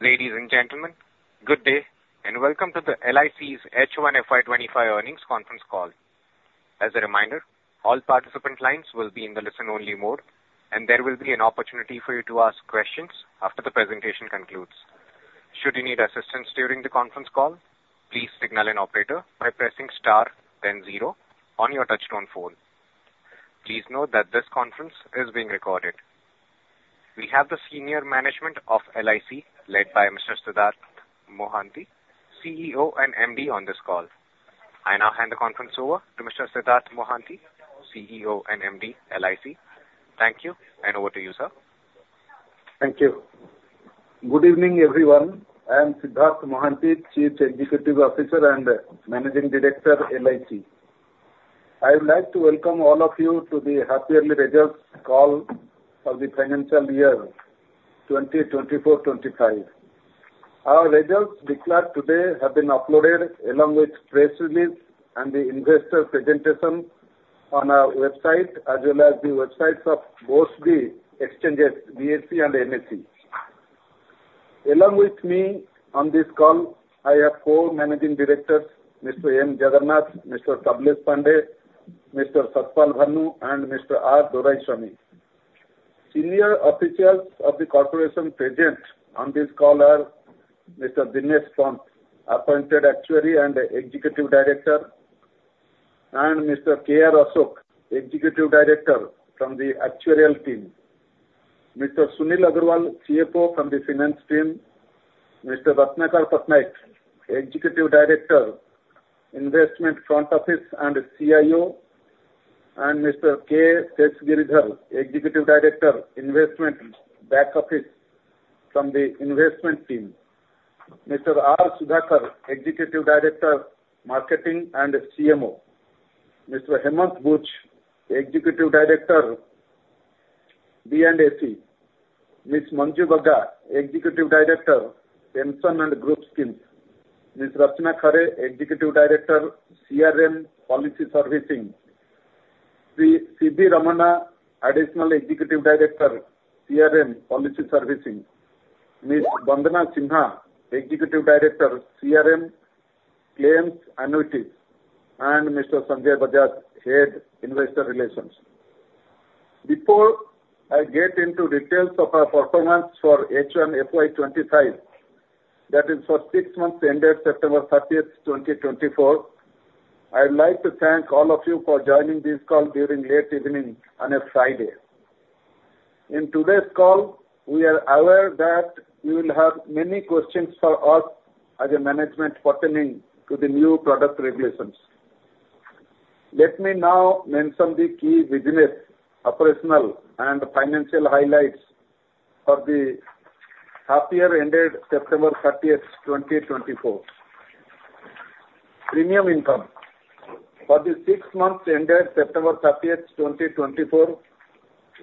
Ladies and gentlemen, good day and welcome to the LIC's H1FY25 earnings conference call. As a reminder, all participant lines will be in the listen-only mode, and there will be an opportunity for you to ask questions after the presentation concludes. Should you need assistance during the conference call, please signal an operator by pressing star, then zero, on your touch-tone phone. Please note that this conference is being recorded. We have the senior management of LIC, led by Mr. Siddhartha Mohanty, CEO and MD, on this call. I now hand the conference over to Mr. Siddhartha Mohanty, CEO and MD, LIC. Thank you, and over to you, sir. Thank you. Good evening, everyone. I am Siddharth Mohanty, Chief Executive Officer and Managing Director, LIC. I would like to welcome all of you to the Half-Yearly Results Call for the financial year 2024-25. Our results declared today have been uploaded, along with press release and the investor presentation on our website, as well as the websites of both the exchanges, BSE and NSE. Along with me on this call, I have four managing directors: Mr. M. Jagannath, Mr. Tablesh Pandey, Mr. Sat Pal Bhanoo, and Mr. R. Doraiswamy. Senior officials of the corporation present on this call are Mr. Dinesh Pant, Appointed Actuary and Executive Director, and Mr. K. R. Ashok, Executive Director from the Actuarial Team. Mr. Sunil Agrawal, CFO from the Finance Team, Mr. Ratnakar Patnaik, Executive Director, Investment Front Office and CIO, and Mr. K. Seshagiridhar, Executive Director, Investment Back Office from the Investment Team. Mr. R. Sudhakar, Executive Director, Marketing and CMO. Mr. Hemant Buch, Executive Director, B&AC. Ms. Manju Bagga, Executive Director, Pension and Group Schemes. Ms. Rachna Khare, Executive Director, CRM Policy Servicing. P. Sitaram, Additional Executive Director, CRM Policy Servicing. Ms. Vandana Singla, Executive Director, CRM Claims Analytics. Mr. Sanjay Bajaj, Head, Investor Relations. Before I get into details of our performance for H1FY25, that is for six months ended September 30, 2024, I would like to thank all of you for joining this call during late evening on a Friday. In today's call, we are aware that you will have many questions for us as a management pertaining to the new product regulations. Let me now mention the key business, operational, and financial highlights for the half year ended September 30, 2024. Premium Income: For the six months ended September 30, 2024,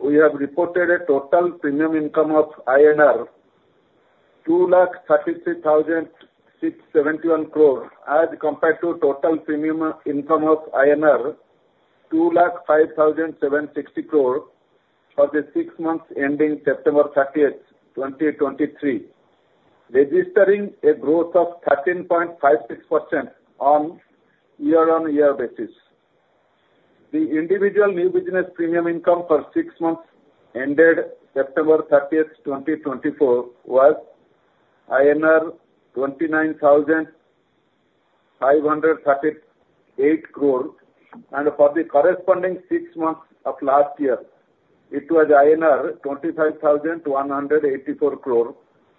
we have reported a total premium income of INR 233,671 crore, as compared to total premium income of INR 205,760 crore for the six months ending September 30, 2023, registering a growth of 13.56% on year-on-year basis. The individual new business premium income for six months ended September 30, 2024, was INR 29,538 crore, and for the corresponding six months of last year, it was INR 25,184 crore,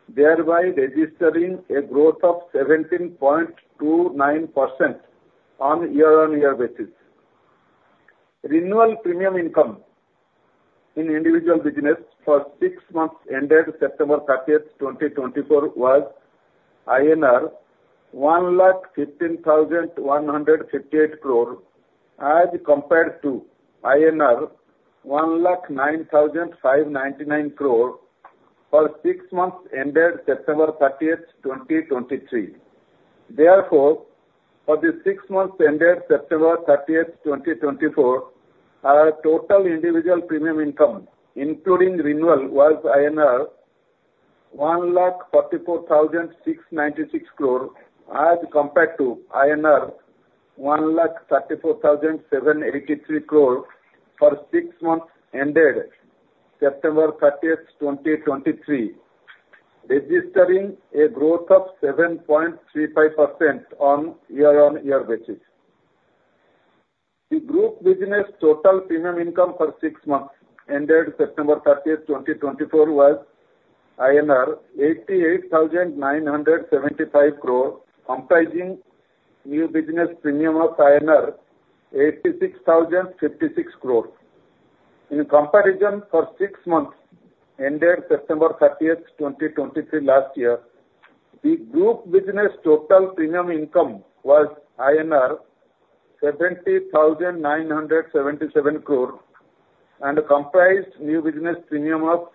thereby registering a growth of 17.29% on year-on-year basis. Renewal Premium Income in individual business for six months ended September 30, 2024, was INR 115,158 crore, as compared to INR 109,599 crore for six months ended September 30, 2023. Therefore, for the six months ended September 30, 2024, our total individual premium income, including renewal, was INR 144,696 crore, as compared to INR 134,783 crore for six months ended September 30, 2023, registering a growth of 7.35% on year-on-year basis. The group business total premium income for six months ended September 30, 2024, was INR 88,975 crore, comprising new business premium of INR 86,056 crore. In comparison for six months ended September 30, 2023, last year, the group business total premium income was INR 70,977 crore, and comprised new business premium of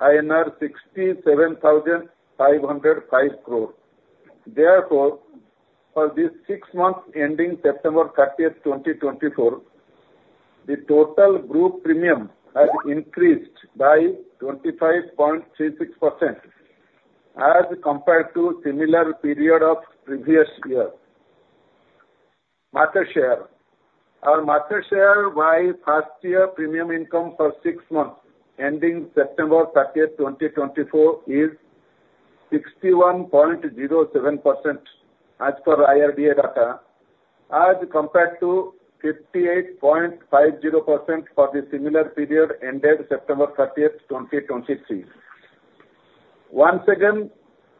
INR 67,505 crore. Therefore, for the six months ending September 30, 2024, the total group premium has increased by 25.36%, as compared to similar period of previous year. Market Share: Our market share by past year premium income for six months ending September 30, 2024, is 61.07%, as per IRDAI data, as compared to 58.50% for the similar period ended September 30, 2023. Once again,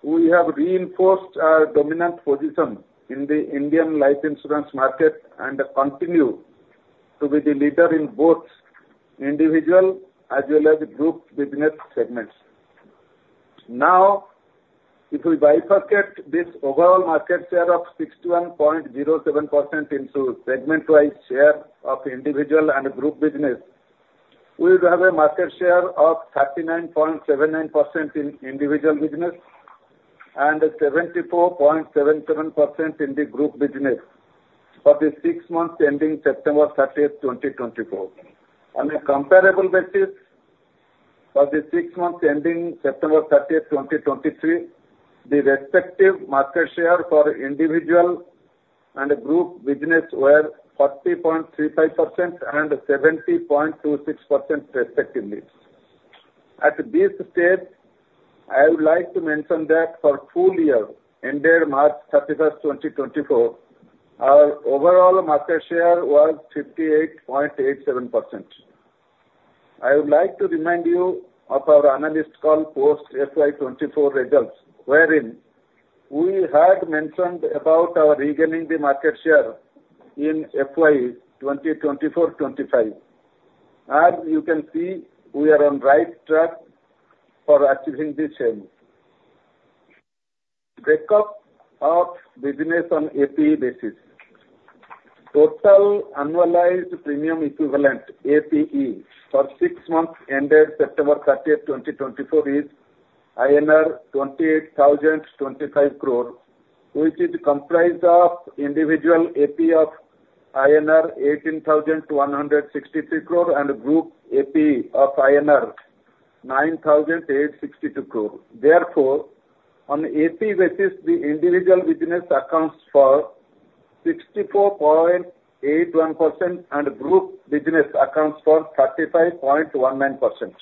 we have reinforced our dominant position in the Indian life insurance market and continue to be the leader in both individual as well as group business segments. Now, if we bifurcate this overall market share of 61.07% into segment-wise share of individual and group business, we would have a market share of 39.79% in individual business and 74.77% in the group business for the six months ending September 30, 2024. On a comparable basis, for the six months ending September 30, 2023, the respective market share for individual and group business were 40.35% and 70.26%, respectively. At this stage, I would like to mention that for full year ended March 31, 2024, our overall market share was 58.87%. I would like to remind you of our analyst call post-FY24 results, wherein we had mentioned about our regaining the market share in FY 2024-25. As you can see, we are on the right track for achieving this aim. Breakup of business on APEE basis: Total annualized premium equivalent (APEE) for six months ended September 30, 2024, is INR 28,025 crore, which is comprised of individual APEE of INR 18,163 crore and group APEE of INR 9,862 crore. Therefore, on APEE basis, the individual business accounts for 64.81% and group business accounts for 35.19%.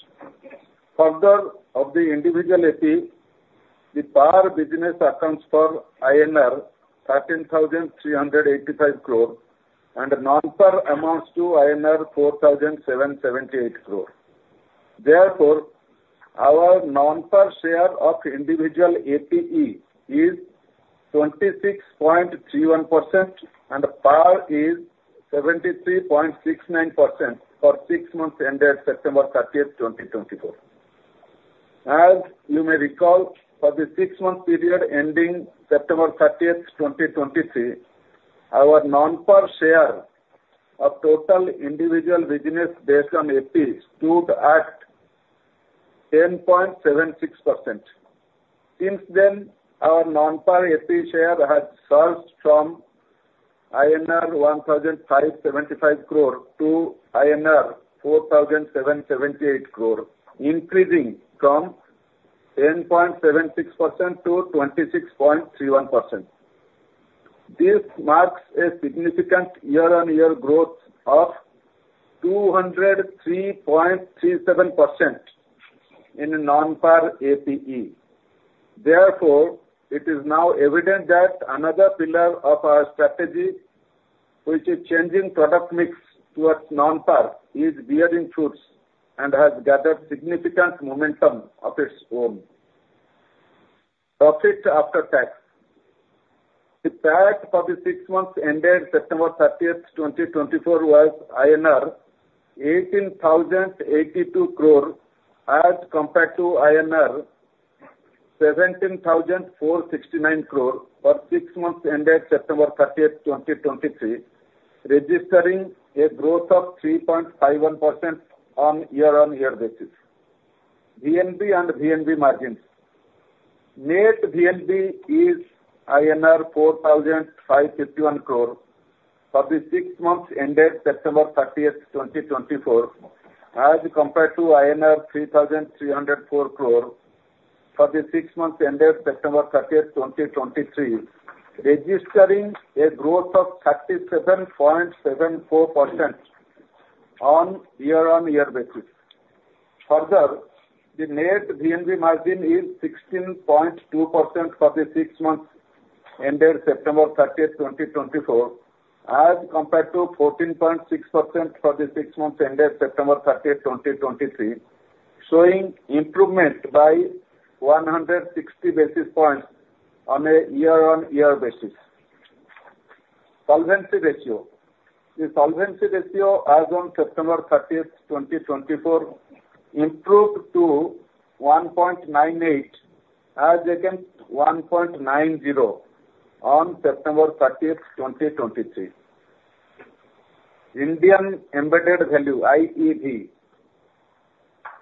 Further, of the individual APEE, the PAR business accounts for INR 13,385 crore, and Non-Par amounts to INR 4,778 crore. Therefore, our Non-Par share of individual APEE is 26.31%, and PAR is 73.69% for six months ended September 30, 2024. As you may recall, for the six-month period ending September 30, 2023, our Non-Par share of total individual business based on APEE stood at 10.76%. Since then, our Non-Par APEE share has surged from INR 1,575 crore to INR 4,778 crore, increasing from 10.76% to 26.31%. This marks a significant year-on-year growth of 203.37% in Non-Par APEE. Therefore, it is now evident that another pillar of our strategy, which is changing product mix towards Non-Par, is beyond insurance and has gathered significant momentum of its own. Profit after tax: The PAT for the six months ended September 30, 2024, was INR 18,082 crore, as compared to INR 17,469 crore for six months ended September 30, 2023, registering a growth of 3.51% on year-on-year basis. VNB and VNB margins: Net VNB is INR 4,551 crore for the six months ended September 30, 2024, as compared to INR 3,304 crore for the six months ended September 30, 2023, registering a growth of 37.74% on year-on-year basis. Further, the net VNB margin is 16.2% for the six months ended September 30, 2024, as compared to 14.6% for the six months ended September 30, 2023, showing improvement by 160 basis points on a year-on-year basis. Solvency ratio: The solvency ratio as on September 30, 2024, improved to 1.98, as against 1.90 on September 30, 2023. Indian Embedded Value (IEV):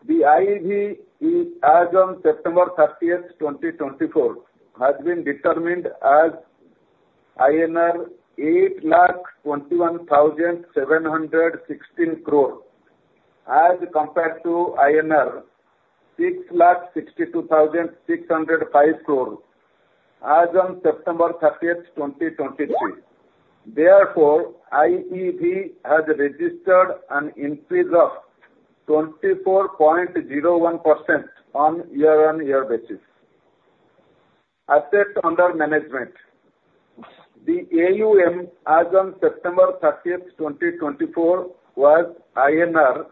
The IEV, as on September 30, 2024, has been determined as INR 821,716 crore, as compared to INR 662,605 crore, as on September 30, 2023. Therefore, IEV has registered an increase of 24.01% on year-on-year basis. Assets under management: The AUM, as on September 30, 2024, was INR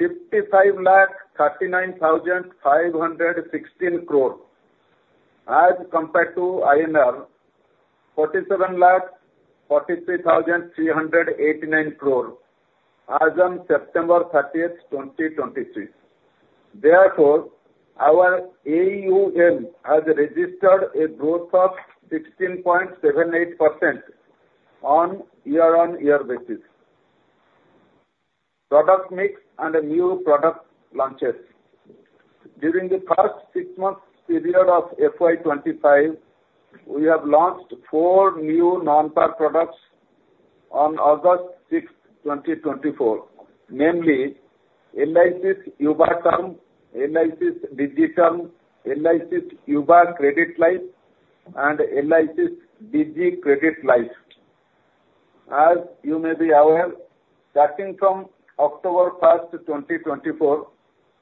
55,39,516 crore, as compared to INR 47,043,389 crore, as on September 30, 2023. Therefore, our AUM has registered a growth of 16.78% on year-on-year basis. Product mix and new product launches: During the first six-month period of FY25, we have launched four new Non-Par products on August 6, 2024, namely LIC Yuva Term, LIC Digi Term, LIC Yuva Credit Life, and LIC Digi Credit Life. As you may be aware, starting from October 1, 2024,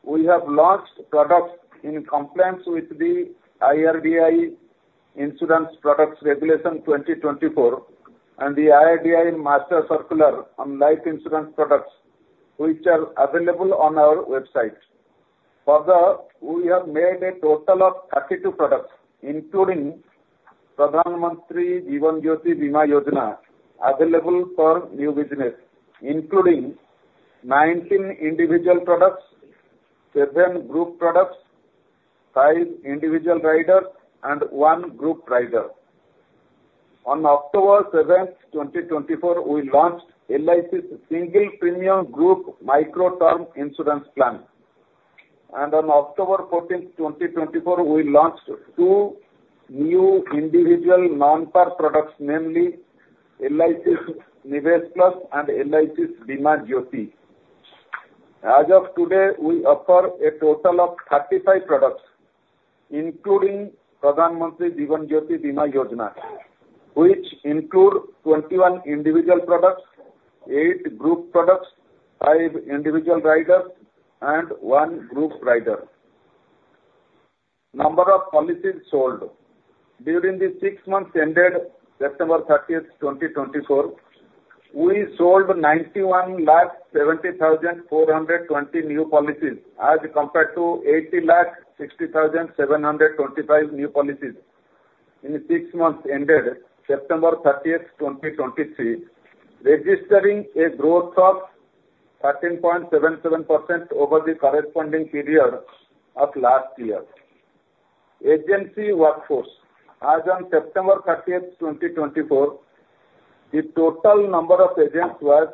we have launched products in compliance with the IRDAI Insurance Products Regulation 2024 and the IRDAI Master Circular on Life Insurance Products, which are available on our website. Further, we have made a total of 32 products, including Pradhan Mantri Jeevan Jyoti Bima Yojana, available for new business, including 19 individual products, 7 group products, 5 individual riders, and 1 group rider. On October 7, 2024, we launched LIC's Single Premium Group Micro Term Insurance Plan, and on October 14, 2024, we launched two new individual Non-Par products, namely LIC Nivesh Plus and LIC Bima Jyoti. As of today, we offer a total of 35 products, including Pradhan Mantri Jeevan Jyoti Bima Yojana, which include 21 individual products, 8 group products, 5 individual riders, and 1 group rider. Number of policies sold: During the six months ended September 30, 2024, we sold 91,70,420 new policies, as compared to 80,60,725 new policies in six months ended September 30, 2023, registering a growth of 13.77% over the corresponding period of last year. Agency workforce: As on September 30, 2024, the total number of agents was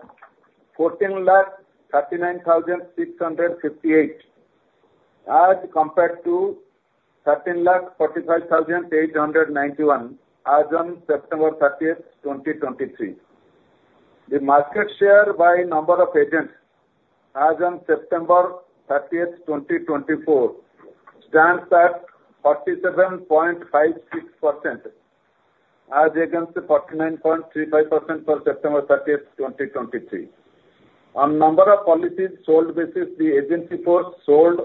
14,39,658, as compared to 13,45,891 as on September 30, 2023. The market share by number of agents as on September 30, 2024 stands at 47.56%, as against 49.35% for September 30, 2023. On number of policies sold basis, the agency force sold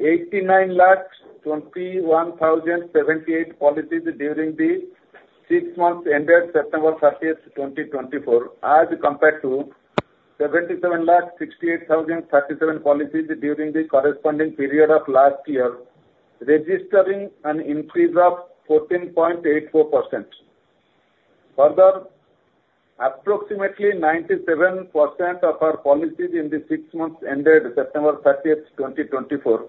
8,921,078 policies during the six months ended September 30, 2024, as compared to 7,768,037 policies during the corresponding period of last year, registering an increase of 14.84%. Further, approximately 97% of our policies in the six months ended September 30, 2024,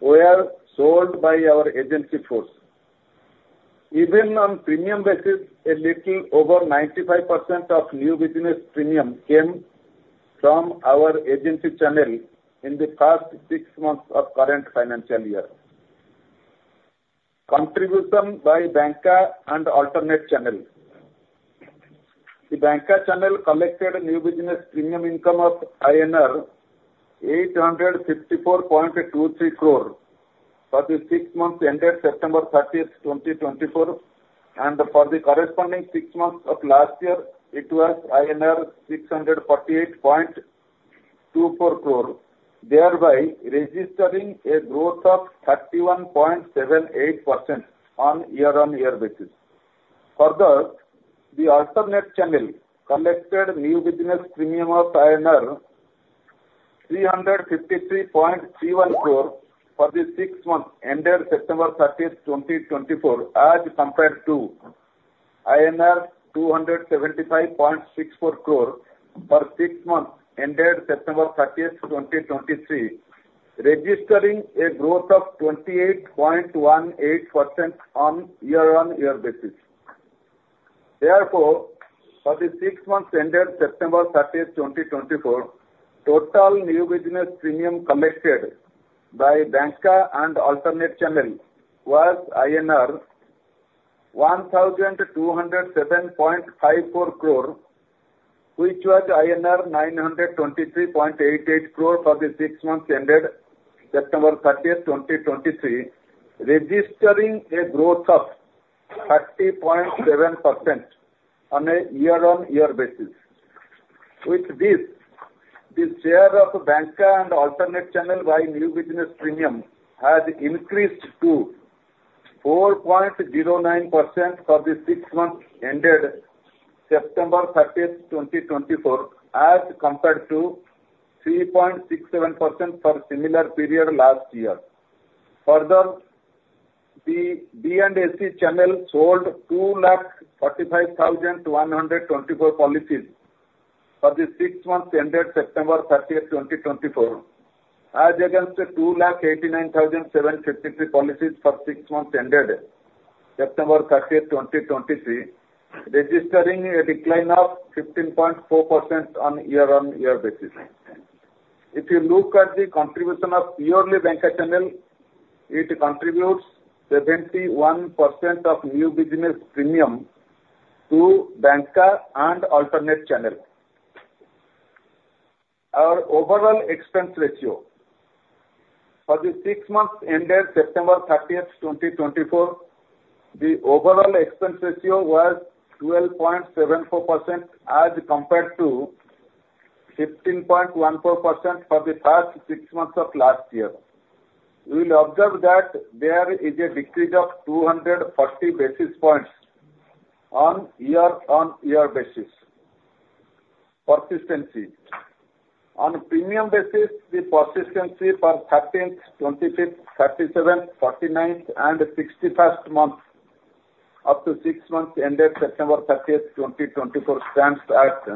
were sold by our agency force. Even on premium basis, a little over 95% of new business premium came from our agency channel in the past six months of current financial year. Contribution by bancassurance and alternate channel: The bancassurance channel collected new business premium income of INR 854.23 crore for the six months ended September 30, 2024, and for the corresponding six months of last year, it was INR 648.24 crore, thereby registering a growth of 31.78% on year-on-year basis. Further, the alternate channel collected new business premium of INR 353.31 crore for the six months ended September 30, 2024, as compared to INR 275.64 crore for six months ended September 30, 2023, registering a growth of 28.18% on year-on-year basis. Therefore, for the six months ended September 30, 2024, total new business premium collected by bancassurance and alternate channel was INR 1,207.54 crore, which was INR 923.88 crore for the six months ended September 30, 2023, registering a growth of 30.7% on a year-on-year basis. With this, the share of Banca and alternate channel by new business premium has increased to 4.09% for the six months ended September 30, 2024, as compared to 3.67% for similar period last year. Further, the Bancassurance channel sold 245,124 policies for the six months ended September 30, 2024, as against 289,753 policies for six months ended September 30, 2023, registering a decline of 15.4% on year-on-year basis. If you look at the contribution of purely Banca channel, it contributes 71% of new business premium to Banca and alternate channel. Our overall expense ratio: For the six months ended September 30, 2024, the overall expense ratio was 12.74% as compared to 15.14% for the past six months of last year. You will observe that there is a decrease of 240 basis points on year-on-year basis. Persistency: On premium basis, the persistency for 13th, 25th, 37th, 49th, and 61st months of the six months ended September 30, 2024 stands at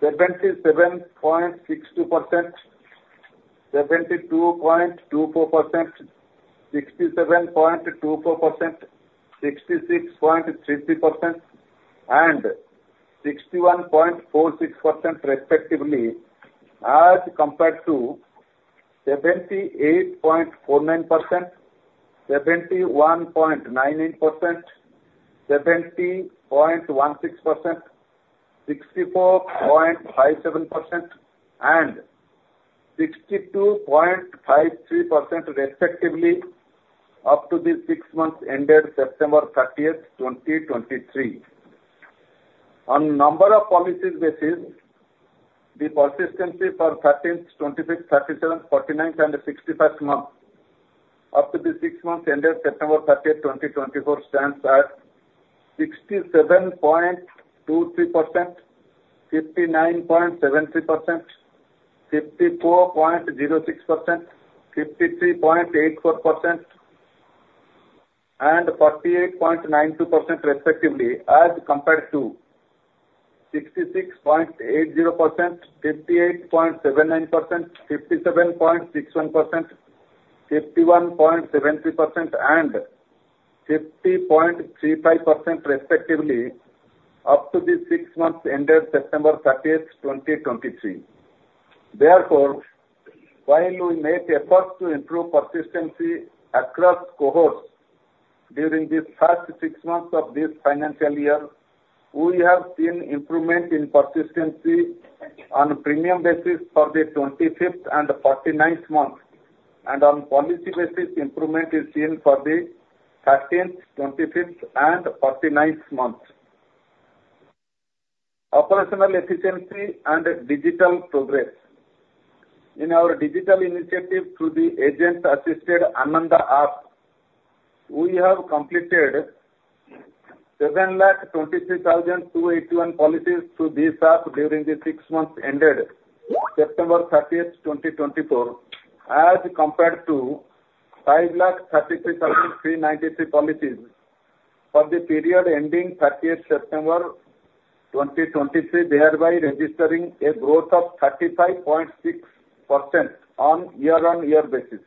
77.62%, 72.24%, 67.24%, 66.33%, and 61.46% respectively, as compared to 78.49%, 71.99%, 70.16%, 64.57%, and 62.53% respectively up to the six months ended September 30, 2023. On number of policies basis, the persistency for 13th, 25th, 37th, 49th, and 61st months of the six months ended September 30, 2024 stands at 67.23%, 59.73%, 54.06%, 53.84%, and 48.92% respectively, as compared to 66.80%, 58.79%, 57.61%, 51.73%, and 50.35% respectively up to the six months ended September 30, 2023. Therefore, while we make efforts to improve persistency across cohorts during the first six months of this financial year, we have seen improvement in persistency on premium basis for the 25th and 49th months, and on policy basis, improvement is seen for the 13th, 25th, and 49th months. Operational efficiency and digital progress: In our digital initiative through the Agent-Assisted ANANDA app, we have completed 723,281 policies through this app during the six months ended September 30, 2024, as compared to 533,393 policies for the period ending September 30, 2023, thereby registering a growth of 35.6% on year-on-year basis.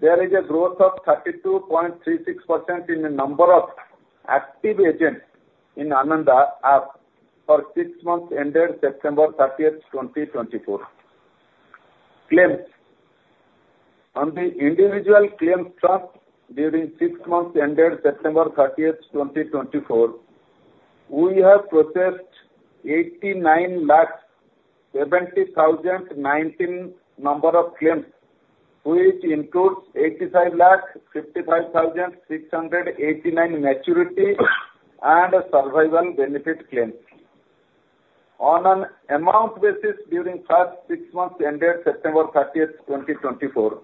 There is a growth of 32.36% in the number of active agents in ANANDA app for six months ended September 30, 2024. Claims: On the individual claims front during six months ended September 30, 2024, we have processed 89,070,019 number of claims, which includes 8,555,689 maturity and survival benefit claims. On an amount basis during the first six months ended September 30, 2024,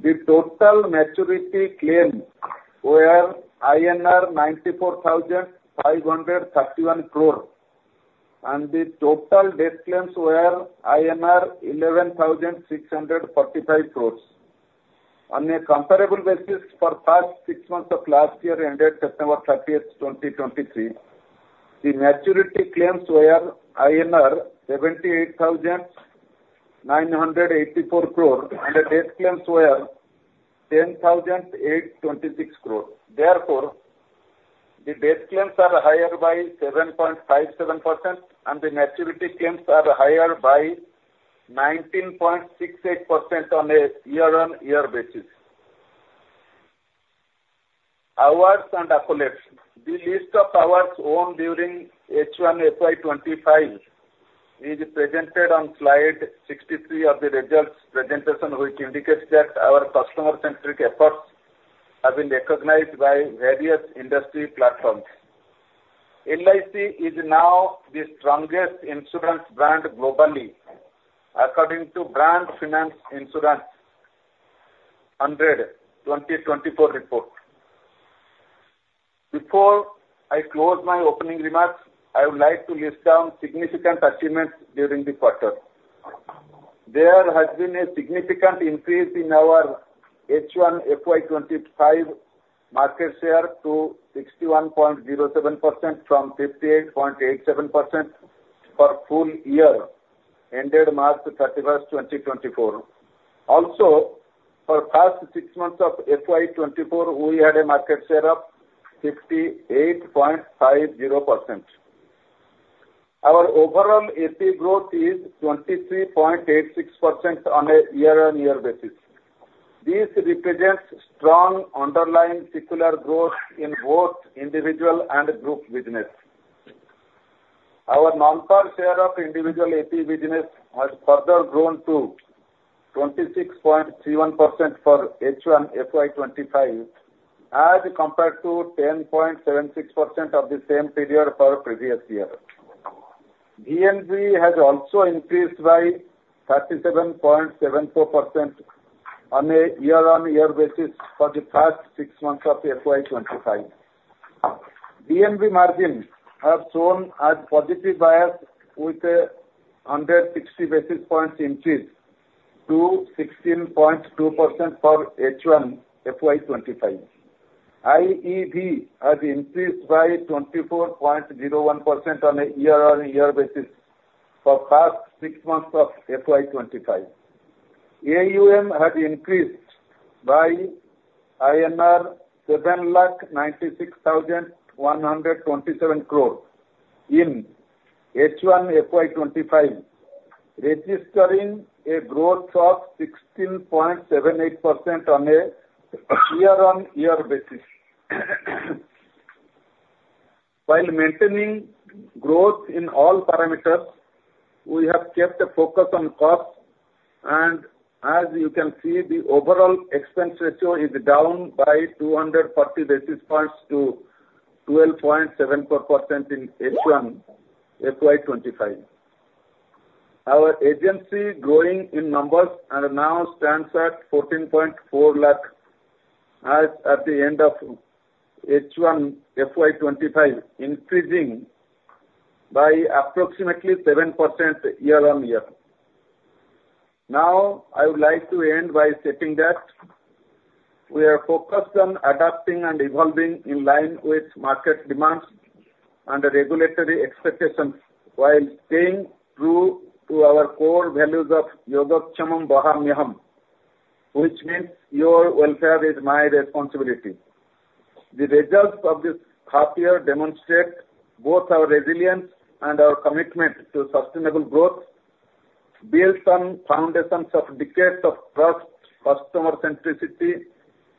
the total maturity claims were INR 94,531 crore, and the total death claims were INR 11,645 crores. On a comparable basis, for the past six months of last year ended September 30, 2023, the maturity claims were INR 78,984 crore, and the death claims were 10,826 crore. Therefore, the death claims are higher by 7.57%, and the maturity claims are higher by 19.68% on a year-on-year basis. Awards and accolades: The list of awards won during H-1 FY25 is presented on Slide 63 of the results presentation, which indicates that our customer-centric efforts have been recognized by various industry platforms. LIC is now the strongest insurance brand globally, according to Brand Finance Insurance 100 2024 report. Before I close my opening remarks, I would like to list down significant achievements during the quarter. There has been a significant increase in our H-1 FY25 market share to 61.07% from 58.87% for the full year ended March 31, 2024. Also, for the past six months of FY24, we had a market share of 58.50%. Our overall APE growth is 23.86% on a year-on-year basis. This represents strong underlying secular growth in both individual and group business. Our Non-Par share of individual APE business has further grown to 26.31% for H1 FY25, as compared to 10.76% of the same period for the previous year. VNB has also increased by 37.74% on a year-on-year basis for the past six months of FY25. VNB margins have shown a positive bias, with 160 basis points increased to 16.2% for H1 FY25. IEV has increased by 24.01% on a year-on-year basis for the past six months of FY25. AUM has increased by INR 796,127 crore in H1 FY25, registering a growth of 16.78% on a year-on-year basis. While maintaining growth in all parameters, we have kept a focus on costs, and as you can see, the overall expense ratio is down by 240 basis points to 12.74% in H1 FY25. Our agency growing in numbers and now stands at 14,400,000 as at the end of H1 FY25, increasing by approximately 7% year-on-year. Now, I would like to end by stating that we are focused on adapting and evolving in line with market demands and regulatory expectations while staying true to our core values of Yogakshemam Vahamyaham, which means your welfare is my responsibility. The results of this half-year demonstrate both our resilience and our commitment to sustainable growth, built on foundations of decades of trust, customer-centricity,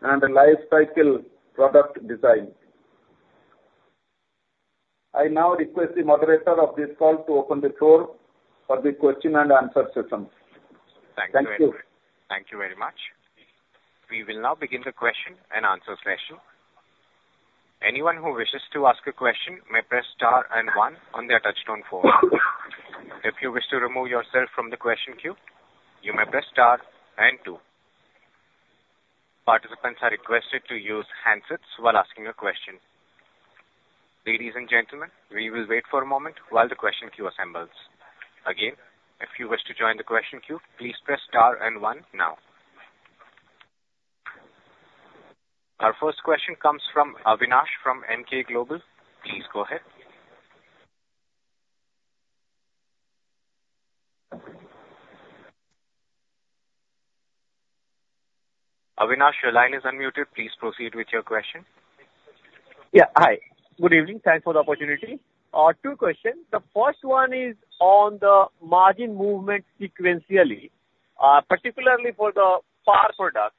and lifecycle product design. I now request the moderator of this call to open the floor for the question and answer session. Thank you. Thank you very much. We will now begin the question and answer session. Anyone who wishes to ask a question may press star and one on their touch-tone phone. If you wish to remove yourself from the question queue, you may press star and two. Participants are requested to use handsets while asking a question. Ladies and gentlemen, we will wait for a moment while the question queue assembles. Again, if you wish to join the question queue, please press star and one now. Our first question comes from Avinash from Emkay Global. Please go ahead. Avinash, your line is unmuted. Please proceed with your question. Yeah. Hi. Good evening. Thanks for the opportunity. Two questions. The first one is on the margin movement sequentially, particularly for the PAR product.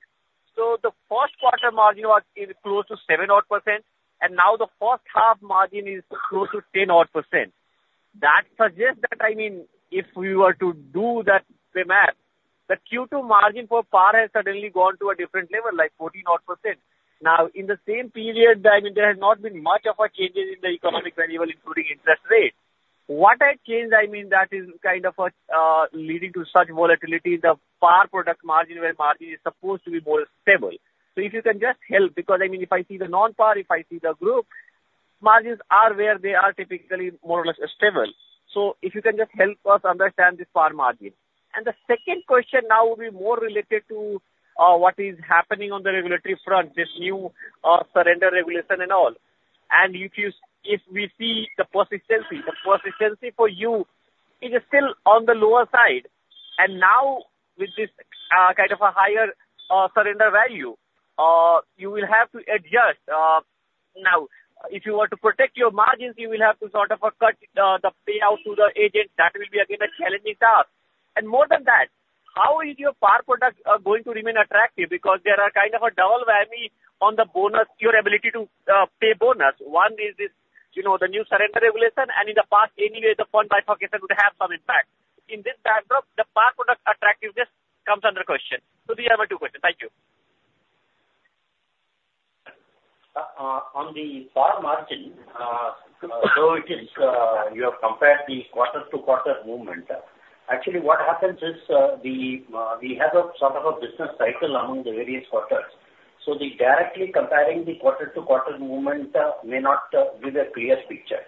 So the first quarter margin was close to 7%, and now the first half margin is close to 10%. That suggests that, I mean, if we were to do that math, the Q2 margin for PAR has suddenly gone to a different level, like 14%. Now, in the same period, I mean, there has not been much of a change in the economic variable, including interest rate. What has changed, I mean, that is kind of leading to such volatility in the PAR product margin, where margin is supposed to be more stable. So if you can just help, because, I mean, if I see the Non-Par, if I see the group margins are where they are typically more or less stable. So if you can just help us understand the PAR margin, and the second question now will be more related to what is happening on the regulatory front, this new surrender regulation and all. If we see the persistency, the persistency for you is still on the lower side. Now, with this kind of a higher surrender value, you will have to adjust. Now, if you were to protect your margins, you will have to sort of cut the payout to the agent. That will be, again, a challenging task. More than that, how is your PAR product going to remain attractive? Because there is kind of a double whammy on your ability to pay bonus. One is the new surrender regulation, and in the past, anyway, the fund bifurcation would have some impact. In this backdrop, the PAR product attractiveness comes under question. These are my two questions. Thank you. On the PAR margin, though you have compared the quarter-to-quarter movement, actually, what happens is we have sort of a business cycle among the various quarters. So directly comparing the quarter-to-quarter movement may not give a clear picture.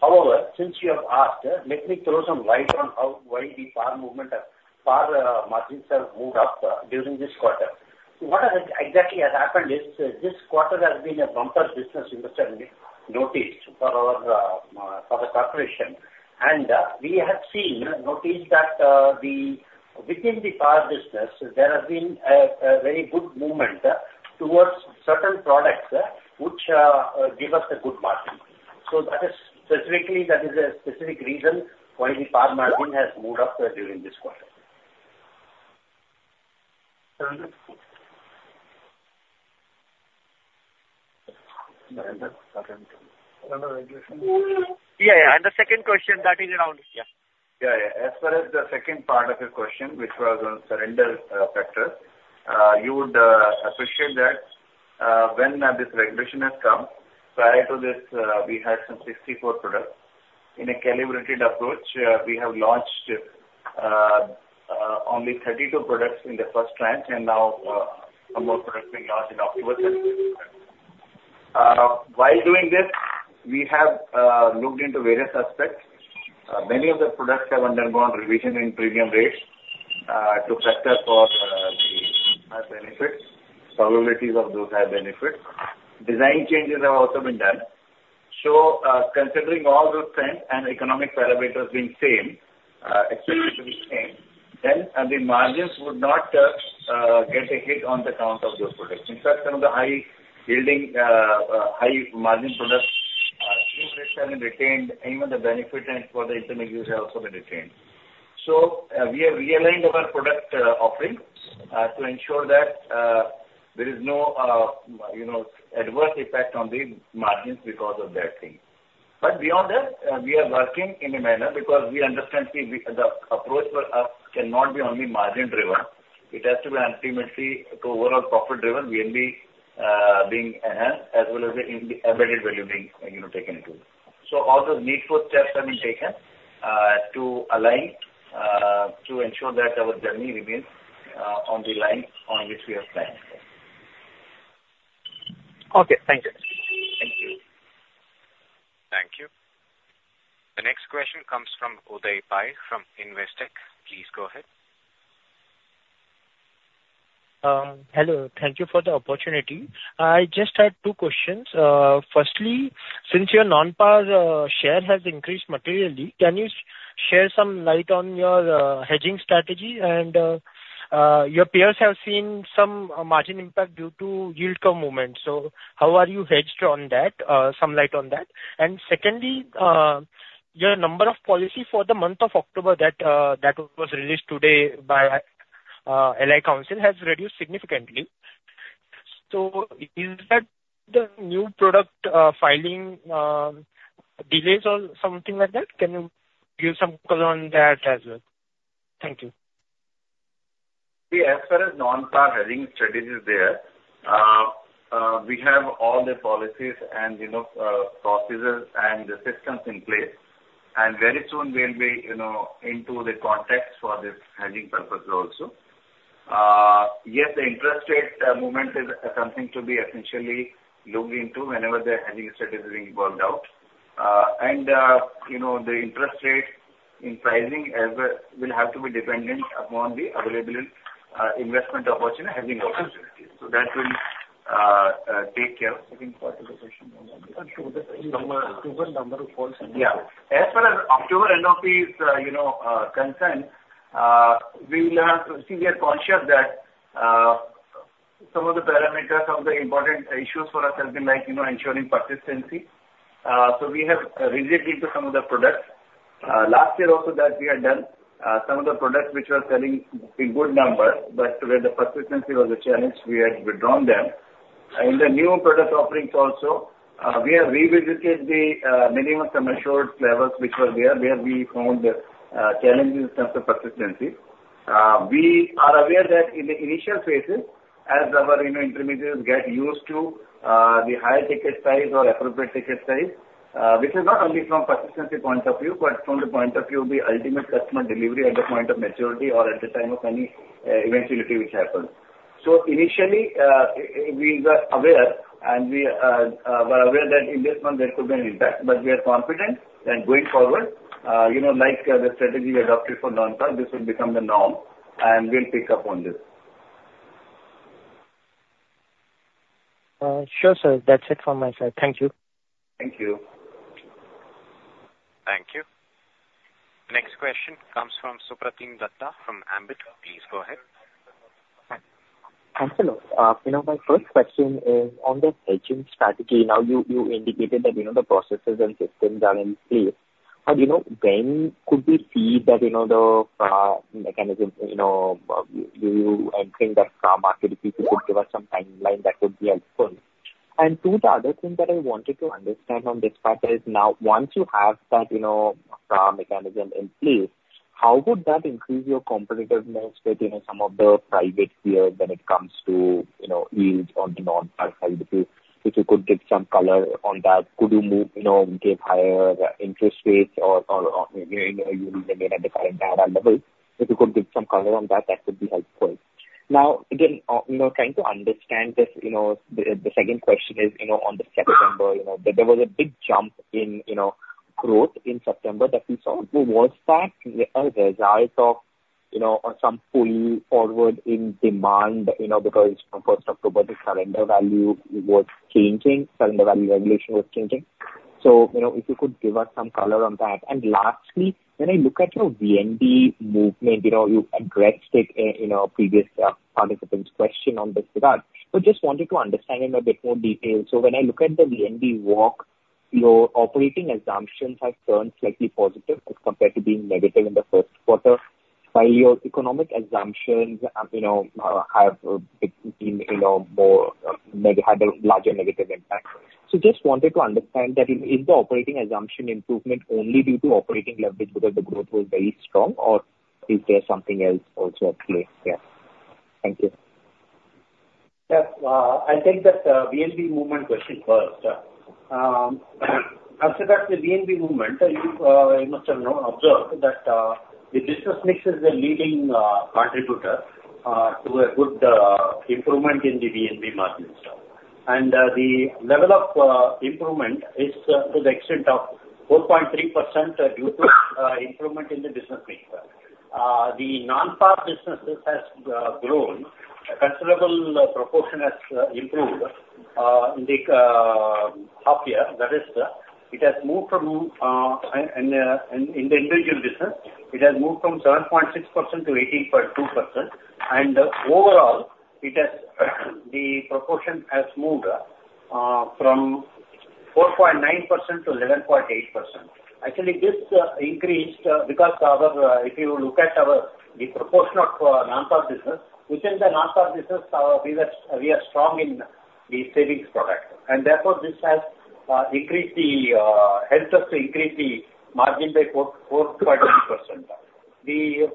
However, since you have asked, let me throw some light on why the PAR margins have moved up during this quarter. What exactly has happened is this quarter has been a bumper business, you must have noticed, for the corporation. And we have seen, noticed that within the PAR business, there has been a very good movement towards certain products which give us a good margin. So specifically, that is a specific reason why the PAR margin has moved up during this quarter. Yeah. And the second question, that is around. Yeah. As far as the second part of your question, which was on surrender factors, you would appreciate that when this regulation has come, prior to this, we had some 64 products. In a calibrated approach, we have launched only 32 products in the first tranche, and now some more products being launched in October. While doing this, we have looked into various aspects. Many of the products have undergone revision in premium rates to factor for the benefits, probabilities of those high benefits. Design changes have also been done. So considering all those trends and economic parameters being the same, expected to be the same, then the margins would not get a hit on the count of those products. In fact, some of the high margin products retained even the benefit for the intermediaries have also been retained. So we have realigned our product offering to ensure that there is no adverse effect on the margins because of that thing. But beyond that, we are working in a manner because we understand the approach for us cannot be only margin-driven. It has to be ultimately overall profit-driven, VNB being enhanced, as well as the embedded value being taken into it. So all the need for steps have been taken to align to ensure that our journey remains on the line on which we have planned. Okay. Thank you. Thank you. Thank you. The next question comes from Uday Pai from Investec. Please go ahead. Hello. Thank you for the opportunity. I just had two questions. Firstly, since your Non-Par share has increased materially, can you share some light on your hedging strategy? And your peers have seen some margin impact due to yield curve movement. So how are you hedged on that? Some light on that. And secondly, your number of policies for the month of October that was released today by Life Insurance Council has reduced significantly. So is that the new product filing delays or something like that? Can you give some color on that as well? Thank you. Yeah. As far as Non-Par hedging strategies there, we have all the policies and procedures and the systems in place. And very soon, we'll be into the context for this hedging purpose also. Yes, the interest rate movement is something to be essentially looked into whenever the hedging strategy is being worked out. And the interest rate in pricing will have to be dependent upon the available investment opportunity and hedging opportunity. So that will take care. I think part of the question was on the October. Yeah. As far as October NBP is concerned, we will have to see, we are conscious that some of the parameters of the important issues for us have been like ensuring persistency. So we have built resilience into some of the products. Last year also that we had done some of the products which were selling a good number, but where the persistency was a challenge, we had withdrawn them. In the new product offerings also, we have revisited the minimum sum assured levels which were there where we found challenges in terms of persistency. We are aware that in the initial phases, as our intermediaries get used to the higher ticket size or appropriate ticket size, which is not only from a persistency point of view, but from the point of view of the ultimate customer delivery at the point of maturity or at the time of any eventuality which happens. So initially, we were aware and we were aware that in this month, there could be an impact, but we are confident that going forward, like the strategy we adopted for Non-Par, this will become the norm and we'll pick up on this. Sure, sir. That's it from my side. Thank you. Thank you. Thank you. Next question comes from Supratim Datta from Ambit. Please go ahead. Thanks. Hello. My first question is on the hedging strategy. Now, you indicated that the processes and systems are in place. How do you know when could we see that the mechanism, you entering the PAR market, if you could give us some timeline, that would be helpful. Two other things that I wanted to understand on this part is now, once you have that PAR mechanism in place, how would that increase your competitiveness with some of the private peers when it comes to yield on the Non-Par side? If you could get some color on that, could you give higher interest rates or yield at the current level? If you could get some color on that, that would be helpful. Now, again, trying to understand this, the second question is on the September. There was a big jump in growth in September that we saw. Was that a result of some pull forward in demand? Because 1st October, the surrender value was changing. Surrender value regulation was changing. So if you could give us some color on that. Lastly, when I look at your VNB movement, you addressed it in a previous participant's question in this regard. I just wanted to understand in a bit more detail. When I look at the VNB walk, your operating assumptions have turned slightly positive as compared to being negative in the first quarter, while your economic assumptions have had a larger negative impact. I just wanted to understand that is the operating assumption improvement only due to operating leverage because the growth was very strong, or is there something else also at play? Yeah. Thank you. Yes. I'll take that VNB movement question first. As for the VNB movement, you must have observed that the business mix is the leading contributor to a good improvement in the VNB margins. The level of improvement is to the extent of 4.3% due to improvement in the business mix. The Non-Par businesses have grown. A considerable proportion has improved in the half year. That is, it has moved from, in the individual business, 7.6% to 18.2%. Overall, the proportion has moved from 4.9% to 11.8%. Actually, this increased because if you look at the proportion of Non-Par business, within the Non-Par business, we are strong in the savings product. Therefore, this has helped us to increase the margin by 4.9%. The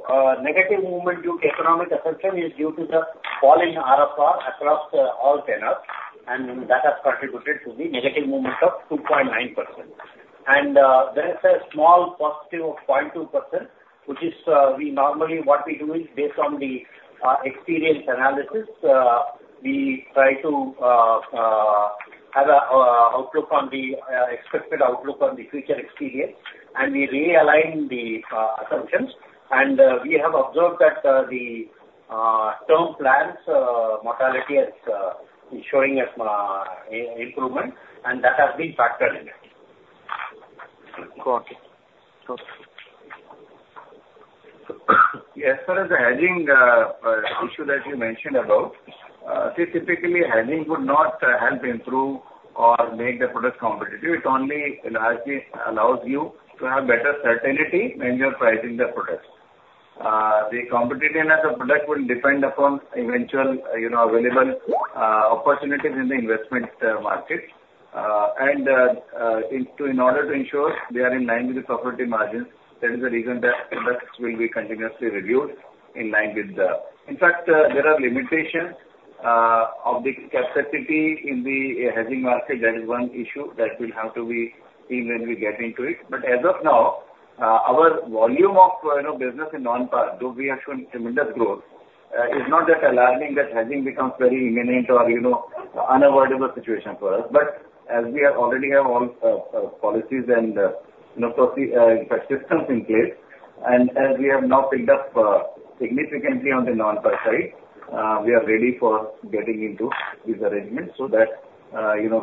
negative movement due to economic assumption is due to the fall in RFR across all tenors, and that has contributed to the negative movement of 2.9%. There is a small positive of 0.2%, which is what we normally do is based on the experience analysis. We try to have an outlook on the expected outlook on the future experience, and we realign the assumptions. And we have observed that the term plans' modality is showing improvement, and that has been factored in. Got it. Got it. As far as the hedging issue that you mentioned about, typically, hedging would not help improve or make the product competitive. It only allows you to have better certainty when you're pricing the product. The competitiveness of the product will depend upon eventual available opportunities in the investment market. And in order to ensure they are in line with the property margins, that is the reason that products will be continuously reviewed in line with the. In fact, there are limitations of the capacity in the hedging market. That is one issue that will have to be seen when we get into it. But as of now, our volume of business in Non-Par, though we have shown tremendous growth, is not that alarming that hedging becomes very imminent or unavoidable situation for us. But as we already have all policies and persistency in place, and as we have now picked up significantly on the Non-Par side, we are ready for getting into these arrangements so that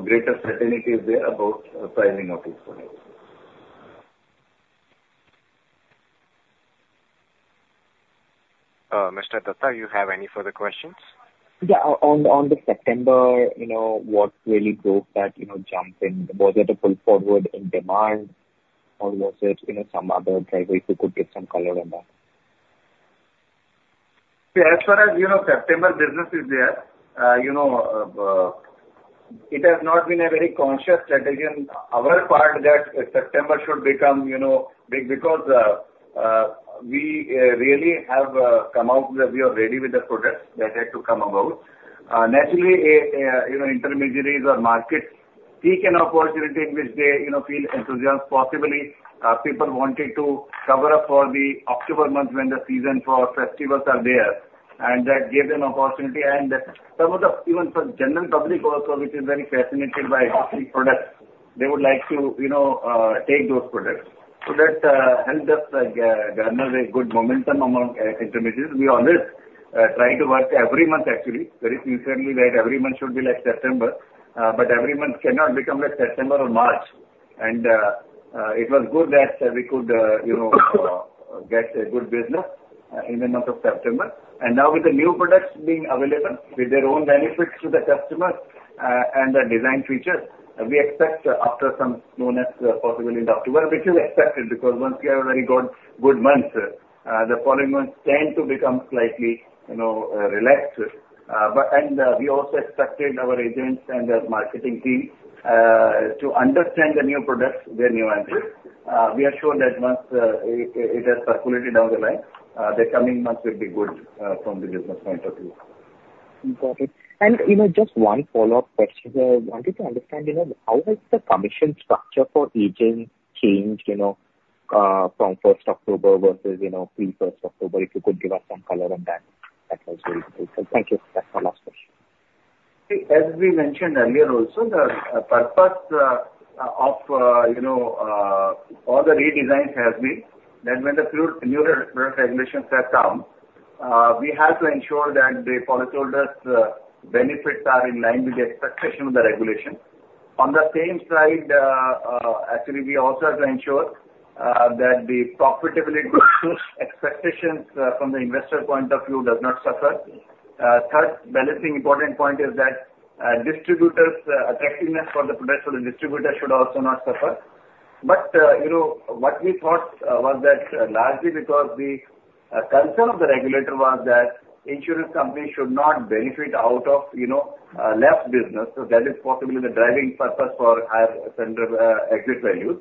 greater certainty is there about pricing of these products. Mr. Datta, you have any further questions? Yeah. On the September, what really drove that jump in? Was it a pull forward in demand, or was it some other driver who could get some color on that? Yeah. As far as September business is there, it has not been a very conscious strategy on our part that September should become big because we really have come out that we are ready with the products that had to come about. Naturally, intermediaries or markets seek an opportunity in which they feel enthusiastic. Possibly, people wanted to cover up for the October month when the season for festivals are there, and that gave them opportunity. And some of the even for general public also, which is very fascinated by these products, they would like to take those products. So that helped us garner a good momentum among intermediaries. We always try to work every month, actually. Very sincerely, that every month should be like September, but every month cannot become like September or March. And it was good that we could get a good business in the month of September. And now, with the new products being available with their own benefits to the customers and the design features, we expect after some slowness possibly in October, which is expected because once we have a very good month, the following months tend to become slightly relaxed. And we also expected our agents and the marketing team to understand the new products, their new entry. We are sure that once it has circulated down the line, the coming months will be good from the business point of view. Got it. And just one follow-up question. I wanted to understand how has the commission structure for each change from 1st October versus pre-1st October? If you could give us some color on that, that was very useful. Thank you. That's my last question. As we mentioned earlier also, the purpose of all the redesigns has been that when the new regulations have come, we have to ensure that the policyholders' benefits are in line with the expectation of the regulation. On the same side, actually, we also have to ensure that the profitability expectations from the investor point of view do not suffer. Third, balancing important point is that distributors' attractiveness for the products for the distributor should also not suffer. But what we thought was that largely because the concern of the regulator was that insurance companies should not benefit out of less business. So that is possibly the driving purpose for higher exit values.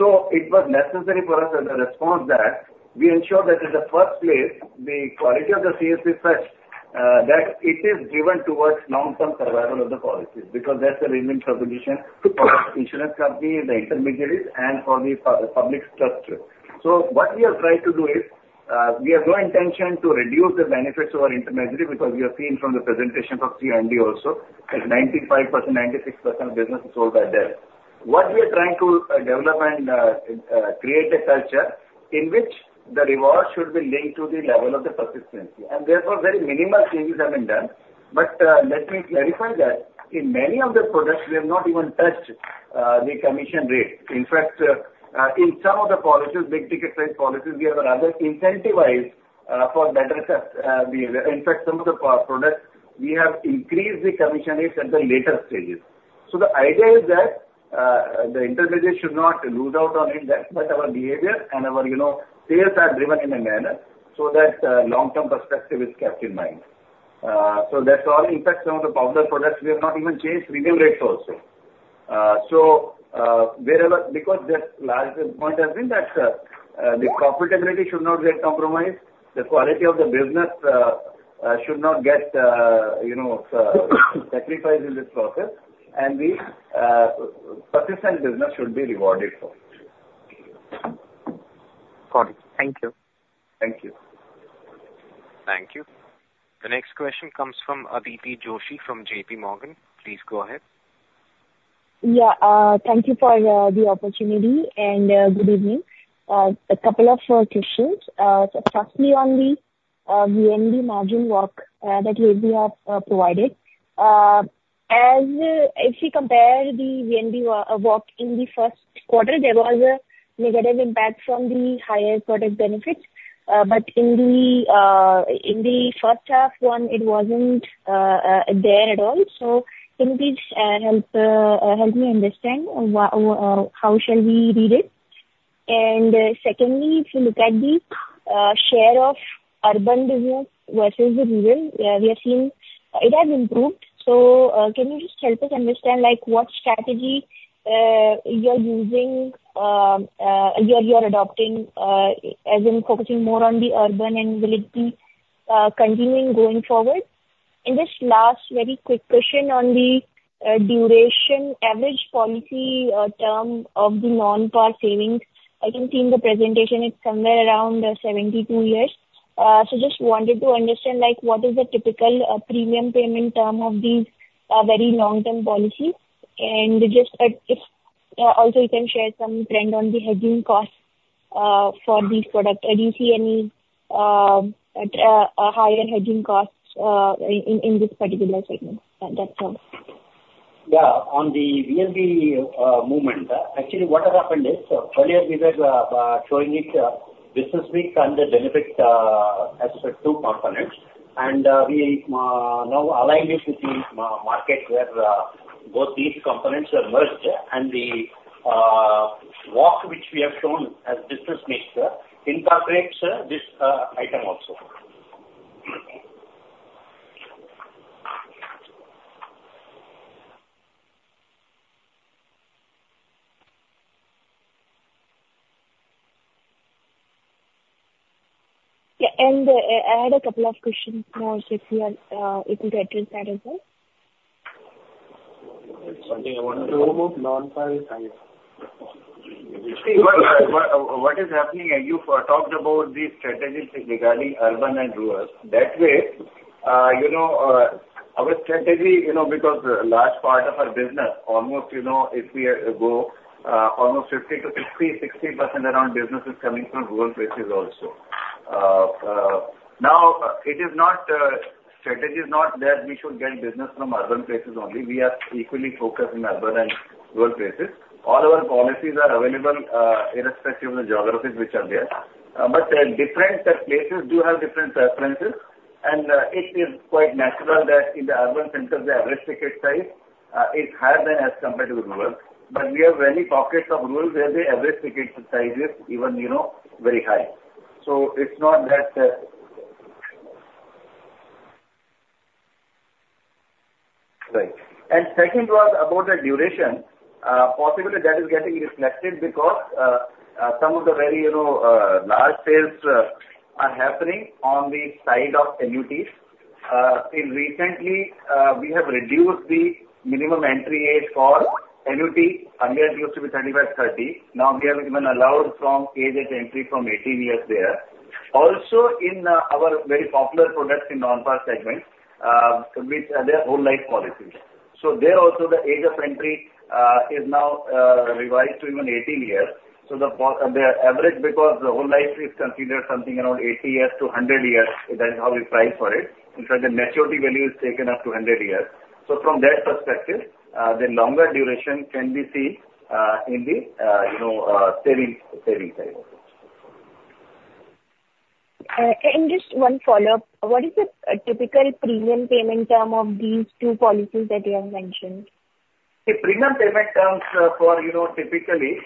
It was necessary for us as a response that we ensure that in the first place, the quality of the uncertain fetched, that it is driven towards long-term survival of the policies because that's the main proposition for insurance companies, the intermediaries, and for the public structure. What we are trying to do is we have no intention to reduce the benefits of our intermediaries because we have seen from the presentation of CMD also that 95%, 96% of business is sold by them. What we are trying to develop and create a culture in which the reward should be linked to the level of the persistency. Therefore, very minimal changes have been done. Let me clarify that in many of the products, we have not even touched the commission rate. In fact, in some of the policies, big ticket size policies, we have another incentive for better. In fact, some of the products, we have increased the commission rates at the later stages. So the idea is that the intermediaries should not lose out on it. That's what our behavior and our sales are driven in a manner so that long-term perspective is kept in mind. So that's all. In fact, some of the popular products, we have not even changed premium rates also. So because the last point has been that the profitability should not get compromised, the quality of the business should not get sacrificed in this process, and the persistency business should be rewarded for it. Got it. Thank you. Thank you. Thank you. The next question comes from Aditi Joshi from JPMorgan. Please go ahead. Yeah. Thank you for the opportunity and good evening. A couple of questions. So firstly, on the VNB margin work that we have provided, if we compare the VNB work in the first quarter, there was a negative impact from the higher product benefits. But in the first half one, it wasn't there at all. So indeed, help me understand how shall we read it. And secondly, if you look at the share of urban business versus rural, we have seen it has improved. So can you just help us understand what strategy you're using, you're adopting as in focusing more on the urban and will it be continuing going forward? And just last, very quick question on the duration average policy term of the Non-Par savings. I can see in the presentation it's somewhere around 72 years. So just wanted to understand what is the typical premium payment term of these very long-term policies. And just also, you can share some trend on the hedging costs for these products. Do you see any higher hedging costs in this particular segment? That's all. Yeah. On the VNB movement, actually, what has happened is earlier, we were showing it business mix and the benefits as two components. And we now aligned it with the market where both these components are merged. And the walk, which we have shown as business mix, incorporates this item also. Yeah. And I had a couple of questions more if you could address that as well. Something I wanted to remove. Non-PAR. Thank you. What is happening? You talked about the strategy regarding urban and rural. That way, our strategy because large part of our business, almost if we go almost 50%-60% around business is coming from rural places also. Now, it is not. Strategy is not that we should get business from urban places only. We are equally focused in urban and rural places. All our policies are available irrespective of the geographies which are there. But different places do have different preferences. And it is quite natural that in the urban centers, the average ticket size is higher than as compared to the rural. But we have many pockets of rural where the average ticket size is even very high. So it's not that. Right. And second was about the duration. Possibly, that is getting reflected because some of the very large sales are happening on the side of annuities. Recently, we have reduced the minimum entry age for annuity. Earlier, it used to be 35, 30. Now, we have even allowed from age of entry from 18 years there. Also in our very popular products in Non-Par segment, which are their whole life policies. So there also, the age of entry is now revised to even 18 years. So the average because the whole life is considered something around 80 years to 100 years. That is how we price for it. In fact, the maturity value is taken up to 100 years. So from that perspective, the longer duration can be seen in the savings segment. And just one follow-up. What is the typical premium payment term of these two policies that you have mentioned? The premium payment terms for typically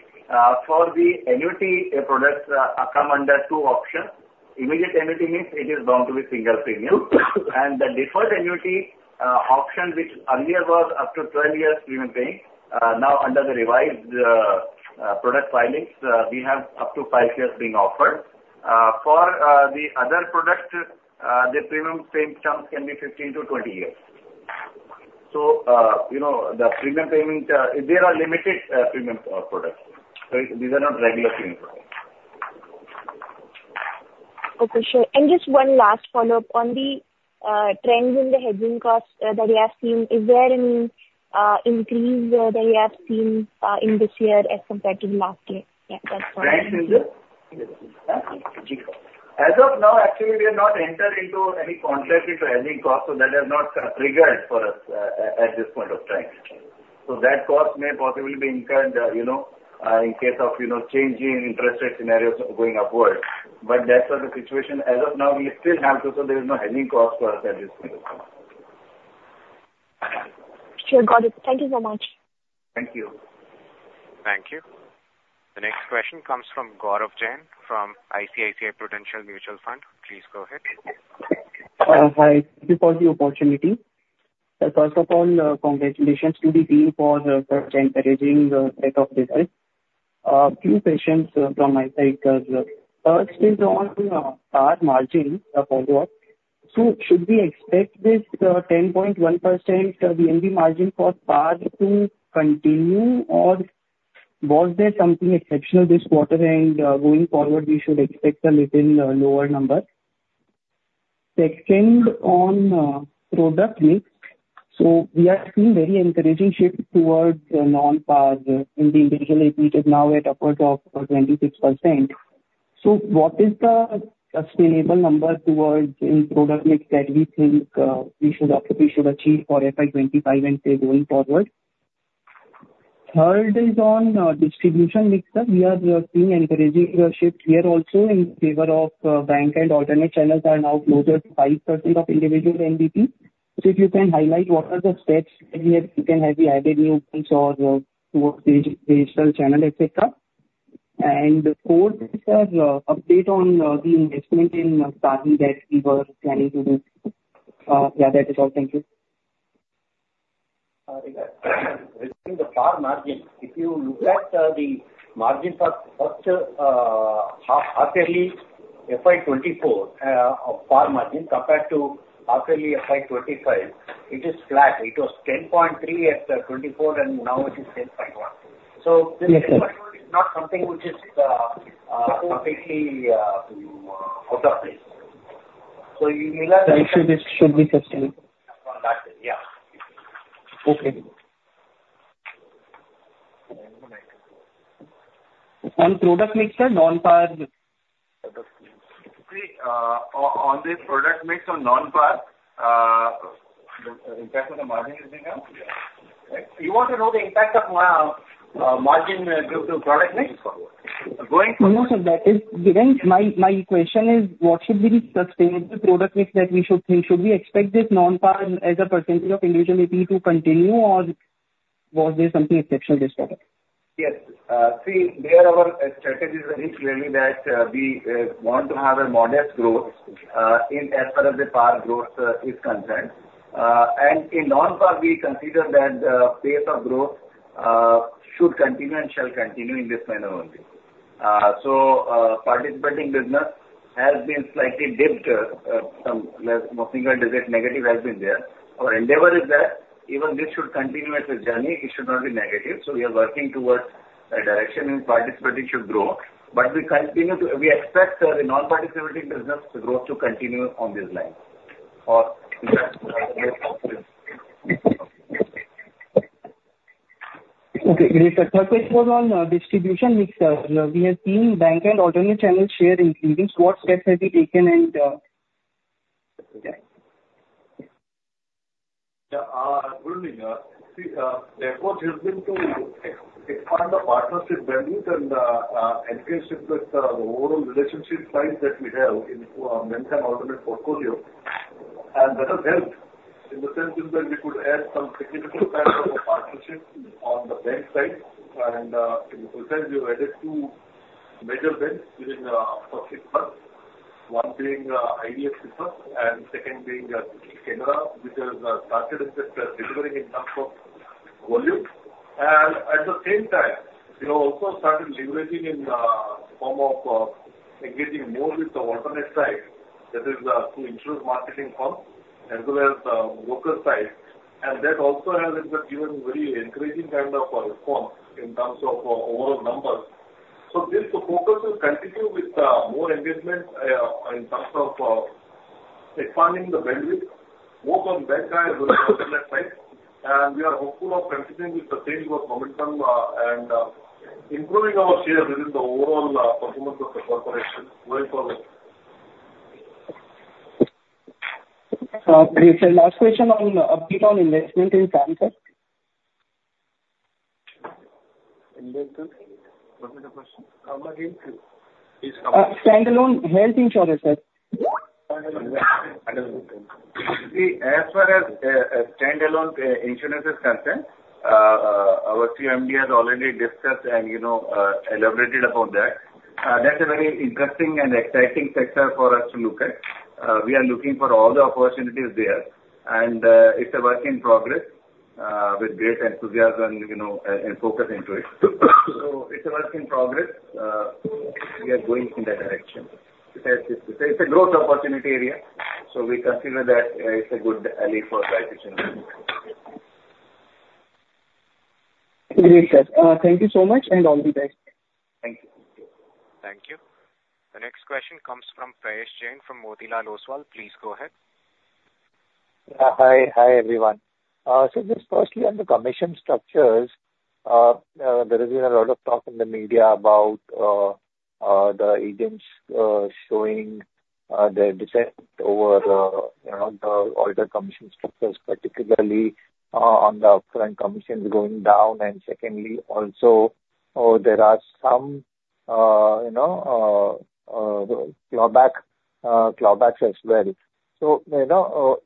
for the annuity products come under two options. Immediate annuity means it is bound to be single premium. And the deferred annuity option, which earlier was up to 12 years premium paying, now under the revised product filings, we have up to 5 years being offered. For the other products, the premium payment terms can be 15-20 years. So the premium payment, they are limited premium products. So these are not regular premium products. Okay. Sure. And just one last follow-up on the trends in the hedging costs that you have seen. Is there any increase that you have seen in this year as compared to the last year? Yeah. That's fine. As of now, actually, we have not entered into any contracts for hedging costs. So that has not triggered for us at this point of time. So that cost may possibly be incurred in case of changing interest rate scenarios going upward. But that's not the situation. As of now, we still have to, so there is no hedging cost for us at this point of time. Sure. Got it. Thank you so much. Thank you. Thank you. The next question comes from Gaurav Jain from ICICI Prudential Mutual Fund. Please go ahead. Hi. Thank you for the opportunity. First of all, congratulations to the team for such encouraging set of business. A few questions from my side. The first is on PAR margin follow-up. So should we expect this 10.1% VNB margin for PAR to continue, or was there something exceptional this quarter, and going forward, we should expect a little lower number? Second, on product mix. So we have seen very encouraging shift towards Non-Par in the individual APEE is now at upwards of 26%. So what is the sustainable number towards in product mix that we think we should achieve for FY25 and going forward? Third is on distribution mix. We are seeing encouraging shift here also in favor of bank and alternate channels are now closer to 5% of individual NBP. So if you can highlight what are the steps that you can have you added new points or towards the digital channel, etc.? And fourth is an update on the investment in SAHI that we were planning to do. Yeah, that is all. Thank you. Regarding the PAR margin, if you look at the margin for FY24 of PAR margin compared to FY25, it is flat. It was 10.3% in FY24, and now it is 10.1%. So this 10.1% is not something which is completely out of place. So you will have to. Thank you. This should be sustainable. Yeah. Okay. On product mix, Non-Par. On the product mix or Non-Par, the impact of the margin is bigger? You want to know the impact of margin to product mix? Going forward. Most of that is given. My question is, what should be the sustainable product mix that we should think? Should we expect this Non-Par as a percentage of individual NBP to continue, or was there something exceptional this quarter? Yes. See, these are our strategies very clearly that we want to have a modest growth as far as the PAR growth is concerned. And in Non-Par, we consider that the pace of growth should continue and shall continue in this manner only. So participating business has been slightly dipped. Something that is negative has been there. Our endeavor is that even this should continue its journey. It should not be negative. So we are working towards a direction in participating should grow. But we expect the non-participating business growth to continue on this line. Okay. The third question was on distribution mix. We have seen bancassurance and alternate channels share increasing. What steps have you taken? Good. Therefore, there's been to expand the partnership venues and entry with the overall relationship size that we have in bank and alternate portfolio. That has helped in the sense that we could add some significant partnership on the bank side. In the process, we've added two major banks within the six months, one being IDFC and second being Canara, which has started delivering in terms of volume. At the same time, we also started leveraging in the form of engaging more with the alternate side, that is insurance marketing firms as well as the broker side. That also has given very encouraging kind of response in terms of overall numbers. This focus will continue with more engagement in terms of expanding the bandwidth, both on bank and alternate side. We are hopeful of continuing with the same growth momentum and improving our share within the overall performance of the corporation going forward. Last question on investment in SAHI. Standalone health insurance, sir. Standalone. As far as standalone insurances concerned, our CMD has already discussed and elaborated about that. That's a very interesting and exciting sector for us to look at. We are looking for all the opportunities there. It's a work in progress with great enthusiasm and focus into it. So it's a work in progress. We are going in that direction. It's a growth opportunity area. So we consider that it's a good ally for life insurance. Great, sir. Thank you so much and all the best. Thank you. Thank you. The next question comes from Prayesh Jain from Motilal Oswal. Please go ahead. Hi. Hi everyone. So just firstly, on the commission structures, there has been a lot of talk in the media about the agents showing their dissent over the older commission structures, particularly on the upfront commissions going down. And secondly, also, there are some clawback as well. So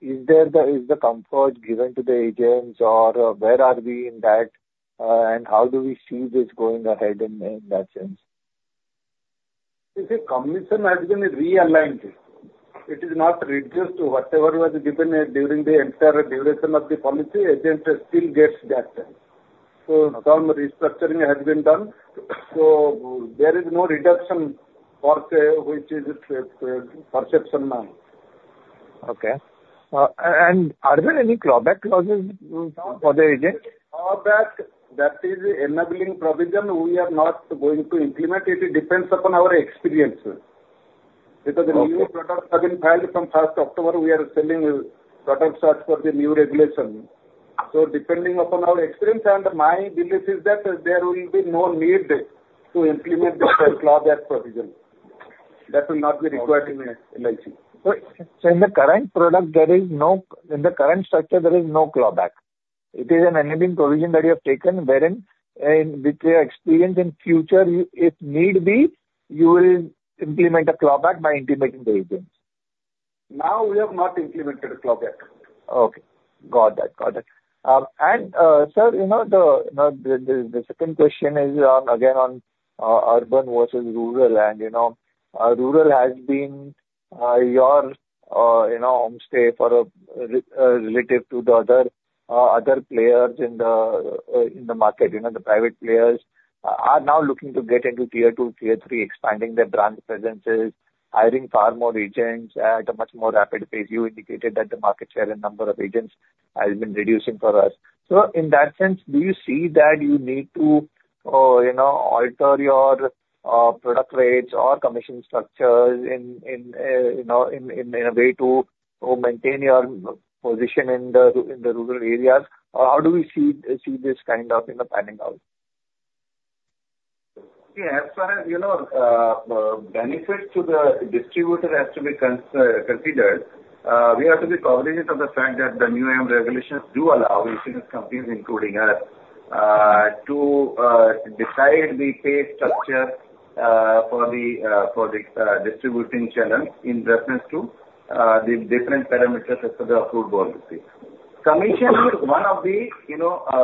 is there the comfort given to the agents, or where are we in that, and how do we see this going ahead in that sense? The commission has been realigned. It is not reduced to whatever was given during the entire duration of the policy. Agent still gets that. So some restructuring has been done. So there is no reduction for which is perception now. Okay. And are there any clawback clauses for the agent? Clawback, that is enabling provision. We are not going to implement it. It depends upon our experience. Because the new products have been filed from 1st October, we are selling products for the new regulation. Depending upon our experience, my belief is that there will be no need to implement the clawback provision. That will not be required in LIC. In the current product, there is no clawback in the current structure. It is an enabling provision that you have taken wherein your experience in future, if need be, you will implement a clawback by intimating the agents. Now, we have not implemented a clawback. Okay. Got that. Got it. Sir, the second question is again on urban versus rural. Rural has been your stronghold relative to the other players in the market. The private players are now looking to get into tier two, tier three, expanding their brand presences, hiring far more agents at a much more rapid pace. You indicated that the market share and number of agents has been reducing for us. So in that sense, do you see that you need to alter your product rates or commission structures in a way to maintain your position in the rural areas? Or how do we see this kind of planning out? Yeah. As far as benefits to the distributor has to be considered, we have to be cognizant of the fact that the new EOM regulations do allow insurance companies, including us, to decide the pay structure for the distributing channel in reference to the different parameters as per the approved policy. Commission is one of the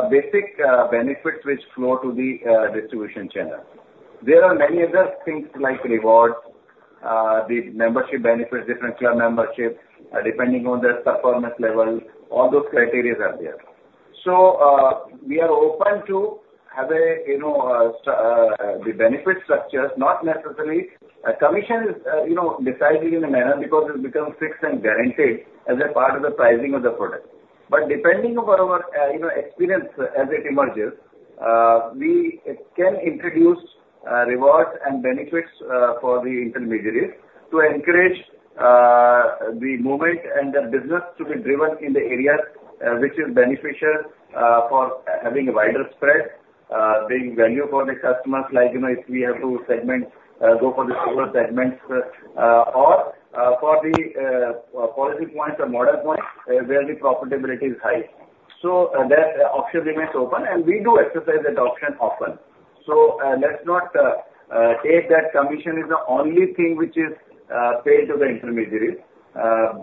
basic benefits which flow to the distribution channel. There are many other things like rewards, the membership benefits, different club membership, depending on the performance level. All those criteria are there. So we are open to have the benefit structures, not necessarily a commission decided in a manner because it becomes fixed and guaranteed as a part of the pricing of the product. But depending on our experience as it emerges, we can introduce rewards and benefits for the intermediaries to encourage the movement and the business to be driven in the areas which is beneficial for having a wider spread, being value for the customers, like if we have to segment, go for the smaller segments, or for the policy points or model points where the profitability is high. So that option remains open, and we do exercise that option often. So let's not take that commission is the only thing which is paid to the intermediaries.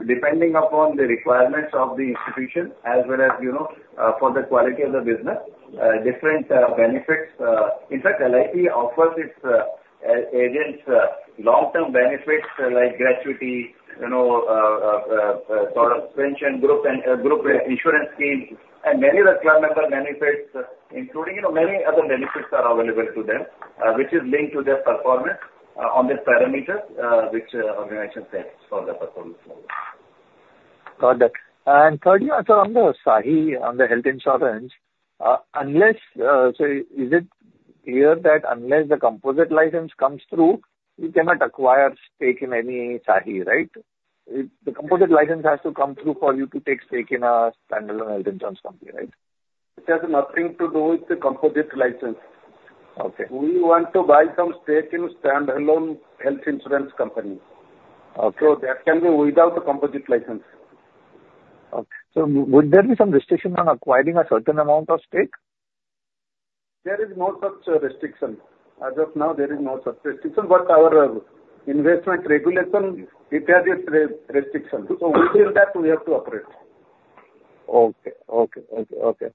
Depending upon the requirements of the institution as well as for the quality of the business, different benefits. In fact, LIC offers its agents long-term benefits like gratuity, sort of pension group insurance schemes, and many other club member benefits, including many other benefits that are available to them, which is linked to their performance on the parameters which the organization sets for the performance. Got it. And third, so on the SAHI, on the health insurance, unless so is it clear that unless the composite license comes through, you cannot acquire stake in any SAHI, right? The composite license has to come through for you to take stake in a standalone health insurance company, right? It has nothing to do with the composite license. We want to buy some stake in a standalone health insurance company. So that can be without the composite license. Okay. So would there be some restriction on acquiring a certain amount of stake? There is no such restriction. As of now, there is no such restriction. But our investment regulation, it has its restrictions. So within that, we have to operate. Okay. Okay. Okay.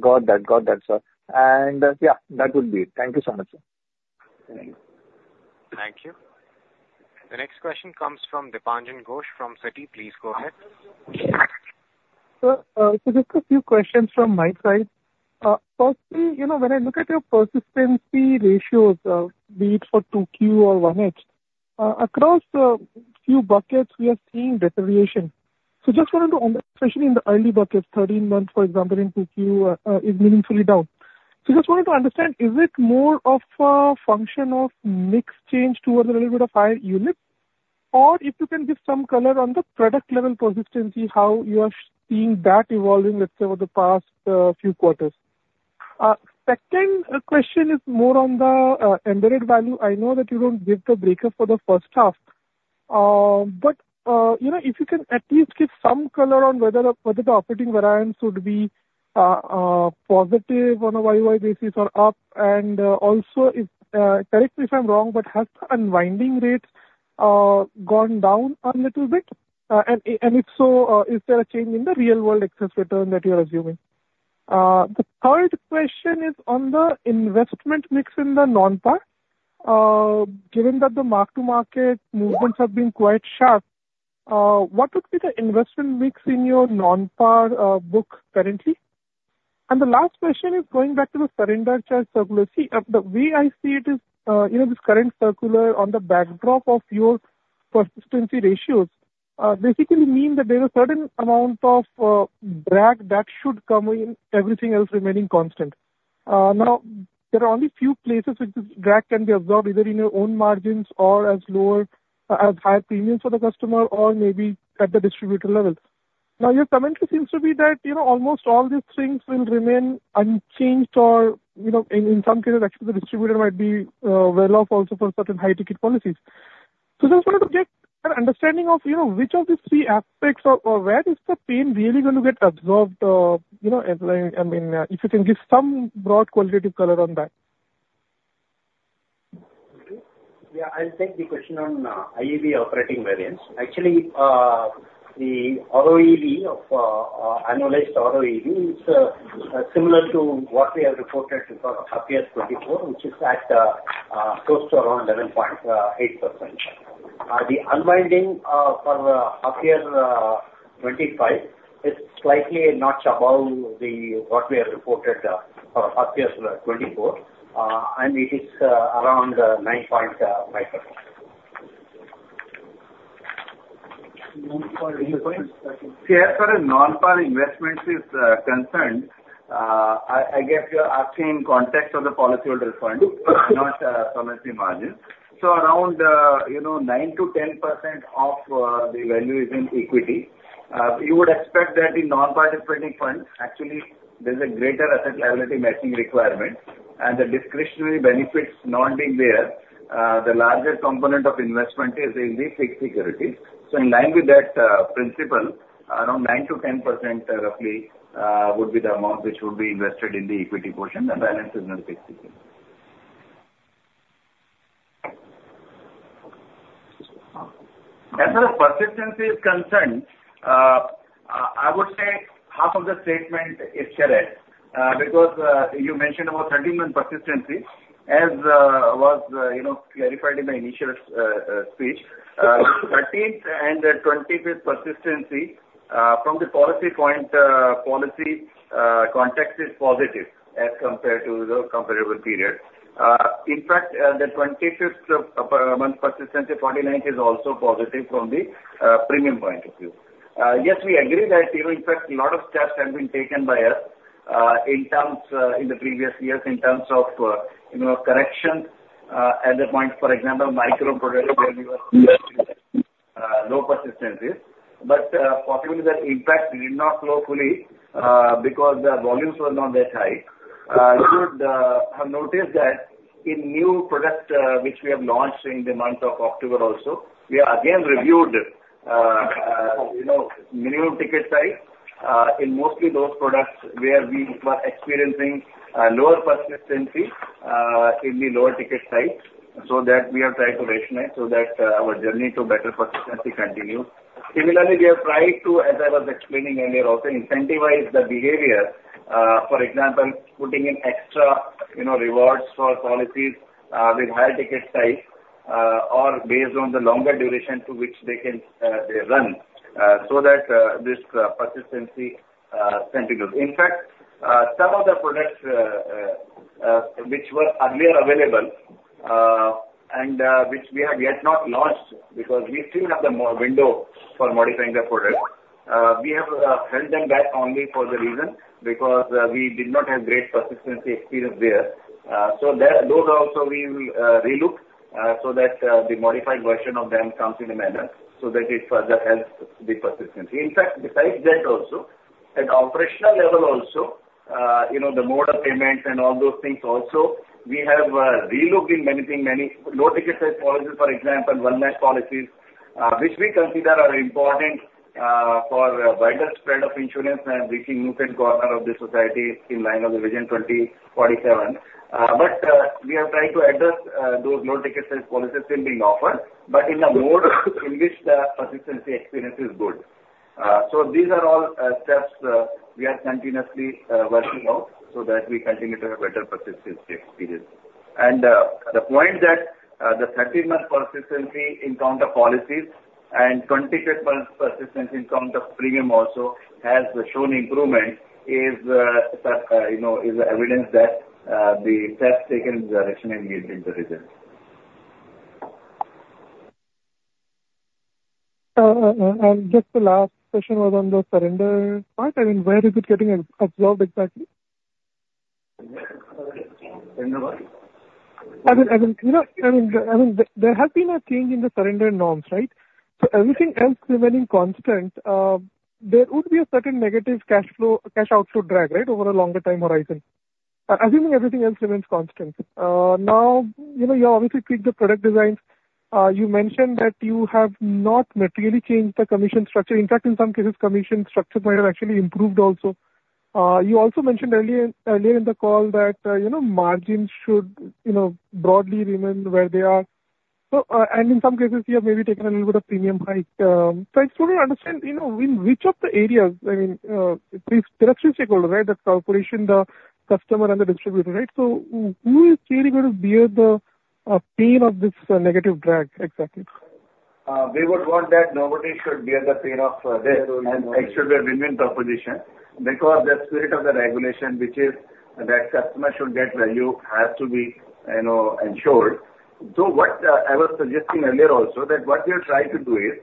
Got that. Got that, sir. And yeah, that would be it. Thank you so much, sir. Thank you. Thank you. The next question comes from Dipanjan Ghosh from Citi. Please go ahead. So just a few questions from my side. Firstly, when I look at your persistency ratios, be it for 2Q or 1H, across a few buckets, we are seeing deterioration. So just wanted to, especially in the early buckets, 13 months, for example, in 2Q is meaningfully down. So just wanted to understand, is it more of a function of mix change towards a little bit of higher units, or if you can give some color on the product-level persistency, how you are seeing that evolving, let's say, over the past few quarters? Second question is more on the embedded value. I know that you don't give the breakup for the first half. But if you can at least give some color on whether the operating variance would be positive on a YoY basis or up. And also, correct me if I'm wrong, but has the unwinding rates gone down a little bit? And if so, is there a change in the real-world excess return that you're assuming? The third question is on the investment mix in the Non-Par. Given that the mark-to-market movements have been quite sharp, what would be the investment mix in your Non-Par book currently? And the last question is going back to the Surrender Charge Circular. See, the way I see it is this current circular on the backdrop of your persistency ratios basically means that there is a certain amount of drag that should come in, everything else remaining constant. Now, there are only a few places which this drag can be absorbed, either in your own margins or as higher premiums for the customer or maybe at the distributor level. Now, your commentary seems to be that almost all these things will remain unchanged or, in some cases, actually the distributor might be well off also for certain high-ticket policies. So just wanted to get an understanding of which of these three aspects or where is the pain really going to get absorbed? I mean, if you can give some broad qualitative color on that. Yeah. I'll take the question on IEV operating variance. Actually, the ROEV of annualized ROEV is similar to what we have reported for half-year 24, which is close to around 11.8%. The unwinding for half-year 25 is slightly a notch above what we have reported for half-year 24, and it is around 9.5%. Yeah. For a Non-Par investment concern, I guess you're asking in context of the policyholder fund, not solvency margin. So around 9%-10% of the value is in equity. You would expect that in Non-Par separate funds, actually, there's a greater asset liability matching requirement. The discretionary benefits not being there, the larger component of investment is in the fixed security. In line with that principle, around 9-10% roughly would be the amount which would be invested in the equity portion. The balance is in fixed security. As for the persistency concern, I would say half of the statement is correct because you mentioned about 13-month persistency, as was clarified in the initial speech. 13th and 25th persistency from the policy point of view context is positive as compared to the comparable period. In fact, the 25th month persistency, 49%, is also positive from the premium point of view. Yes, we agree that, in fact, a lot of steps have been taken by us in the previous years in terms of corrections at the point, for example, micro products where we were low persistencies. But possibly that impact did not flow fully because the volumes were not that high. You should have noticed that in new products which we have launched in the month of October also, we have again reviewed minimum ticket size in mostly those products where we were experiencing lower persistency in the lower ticket size. So that we have tried to rationalize so that our journey to better persistency continues. Similarly, we have tried to, as I was explaining earlier, also incentivize the behavior, for example, putting in extra rewards for policies with higher ticket size or based on the longer duration to which they can run so that this persistency continues. In fact, some of the products which were earlier available and which we have yet not launched because we still have the window for modifying the product, we have held them back only for the reason because we did not have great persistency experience there. So those also we will relook so that the modified version of them comes in a manner so that it further helps the persistency. In fact, besides that also, at operational level also, the modal payments and all those things also, we have relooked in many low-ticket size policies, for example, non-med policies, which we consider are important for wider spread of insurance and reaching new corners of the society in line of the Vision 2047. But we have tried to address those low-ticket size policies still being offered, but in a mode in which the persistency experience is good. So these are all steps we are continuously working on so that we continue to have better persistency experience. And the point that the 13-month persistency in terms of policies and 25th month persistency in terms of premium also has shown improvement is evidence that the steps taken rationally yielded the results. And just the last question was on the surrender part. I mean, where is it getting absorbed exactly? Surrender what? I mean, there has been a change in the surrender norms, right? So everything else remaining constant, there would be a certain negative cash outflow drag, right, over a longer time horizon. Assuming everything else remains constant. Now, you obviously tweaked the product designs. You mentioned that you have not materially changed the commission structure. In fact, in some cases, commission structures might have actually improved also. You also mentioned earlier in the call that margins should broadly remain where they are. And in some cases, you have maybe taken a little bit of premium hike. So I just want to understand in which of the areas, I mean, the three stakeholders, right, the corporation, the customer, and the distributor, right? So who is really going to bear the pain of this negative drag exactly? We would want that nobody should bear the pain of this extraordinary win-win proposition because the spirit of the regulation, which is that customer should get value, has to be ensured. So what I was suggesting earlier also that what we are trying to do is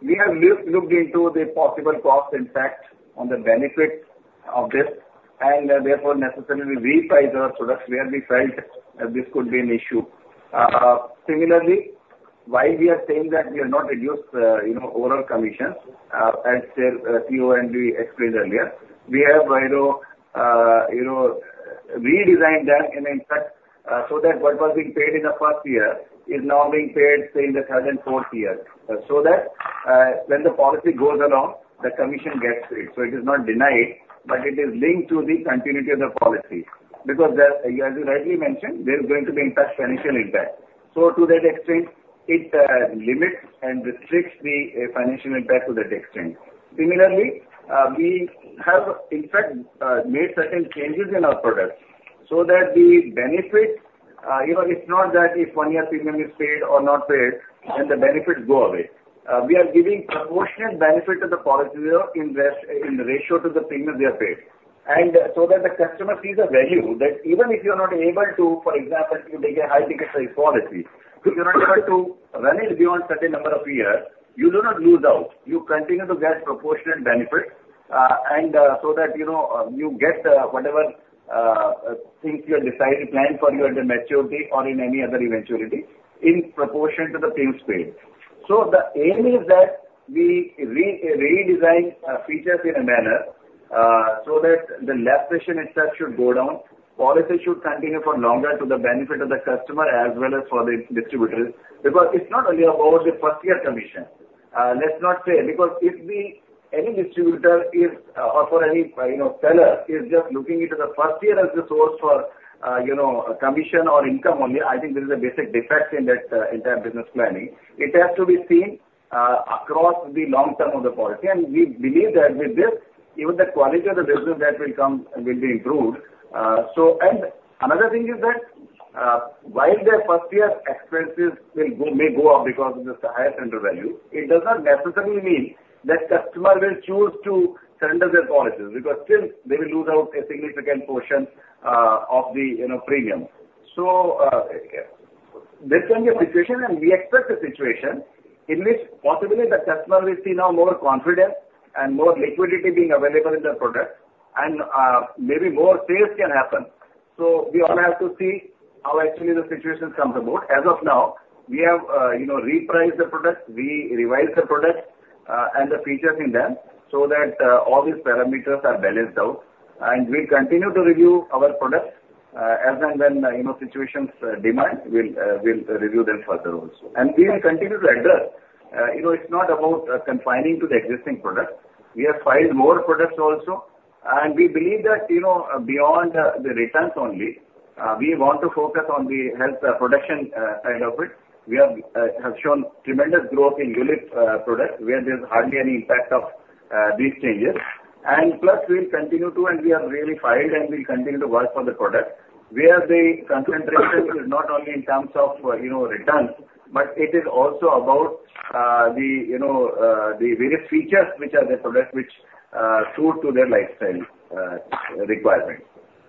we have looked into the possible cost impact on the benefits of this and therefore necessarily repriced our products where we felt this could be an issue. Similarly, while we are saying that we have not reduced overall commission, as uncertain and we explained earlier, we have redesigned that in effect so that what was being paid in the first year is now being paid in the current fourth year. So that when the policy goes along, the commission gets it. So it is not denied, but it is linked to the continuity of the policy because, as you rightly mentioned, there is going to be financial impact. So to that extent, it limits and restricts the financial impact to that extent. Similarly, we have, in fact, made certain changes in our products so that the benefit. It's not that if one-year premium is paid or not paid, then the benefits go away. We are giving proportionate benefit to the policy in the ratio to the premium we have paid. And so that the customer sees a value that even if you are not able to, for example, if you take a high-ticket size policy, if you're not able to run it beyond a certain number of years, you do not lose out. You continue to get proportionate benefits. And so that you get whatever things you have decided to plan for you at the maturity or in any other eventuality in proportion to the payments paid. So the aim is that we redesign features in a manner so that the lapse itself should go down. Policy should continue for longer to the benefit of the customer as well as for the distributors because it's not only about the first-year commission. Let's not say because if any distributor or for any seller is just looking into the first year as the source for commission or income only, I think there is a basic defect in that entire business planning. It has to be seen across the long term of the policy. And we believe that with this, even the quality of the business that will come will be improved. And another thing is that while their first-year expenses may go up because of the higher surrender value, it does not necessarily mean that customer will choose to surrender their policies because still they will lose out a significant portion of the premium. So there can be a situation, and we expect a situation in which possibly the customer will see now more confidence and more liquidity being available in their product, and maybe more sales can happen. So we all have to see how actually the situation comes about. As of now, we have repriced the product. We revised the product and the features in them so that all these parameters are balanced out, and we'll continue to review our products as and when situations demand, we'll review them further also, and we will continue to address. It's not about confining to the existing products. We have filed more products also, and we believe that beyond the returns only, we want to focus on the health production side of it. We have shown tremendous growth in unit product where there's hardly any impact of these changes. And plus, we'll continue to, and we have really filed, and we'll continue to work for the product where the concentration is not only in terms of returns, but it is also about the various features which are the products which suit their lifestyle requirements.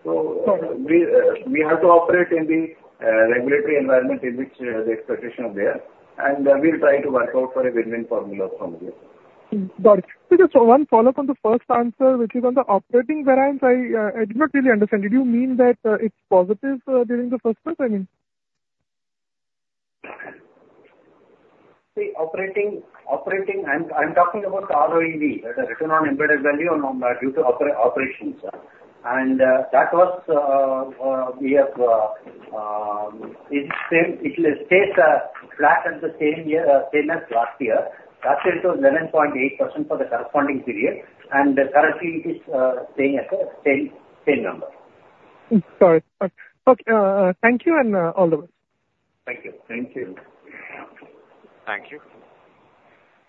So we have to operate in the regulatory environment in which the expectations are there. And we'll try to work out for a win-win formula from there. Got it. So just one follow-up on the first answer, which is on the operating variance. I did not really understand. Did you mean that it's positive during the first month? I mean. See, operating. I'm talking about ROEV, return on embedded value due to operations. And that was, we have it stays flat at the same level as last year. Last year, it was 11.8% for the corresponding period. Currently, it is staying at the same number. Got it. Okay. Thank you, and all the best. Thank you. Thank you.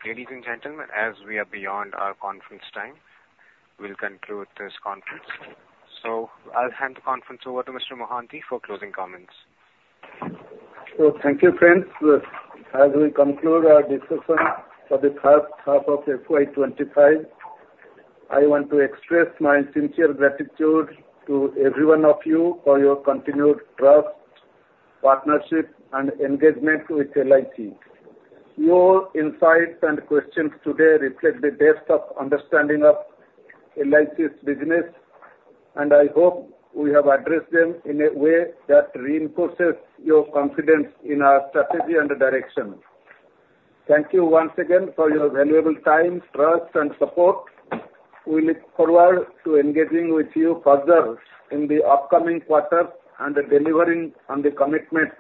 Ladies and gentlemen, as we are beyond our conference time, we'll conclude this conference. I'll hand the conference over to Mr. Mohanty for closing comments. Thank you, friends. As we conclude our discussion for the third half of FY25, I want to express my sincere gratitude to every one of you for your continued trust, partnership, and engagement with LIC. Your insights and questions today reflect the depth of understanding of LIC's business, and I hope we have addressed them in a way that reinforces your confidence in our strategy and direction. Thank you once again for your valuable time, trust, and support. We look forward to engaging with you further in the upcoming quarters and delivering on the commitment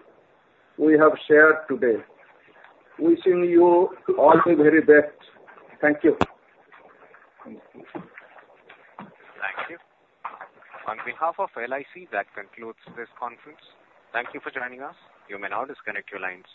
we have shared today. Wishing you all the very best. Thank you. Thank you. On behalf of LIC, that concludes this conference. Thank you for joining us. You may now disconnect your lines.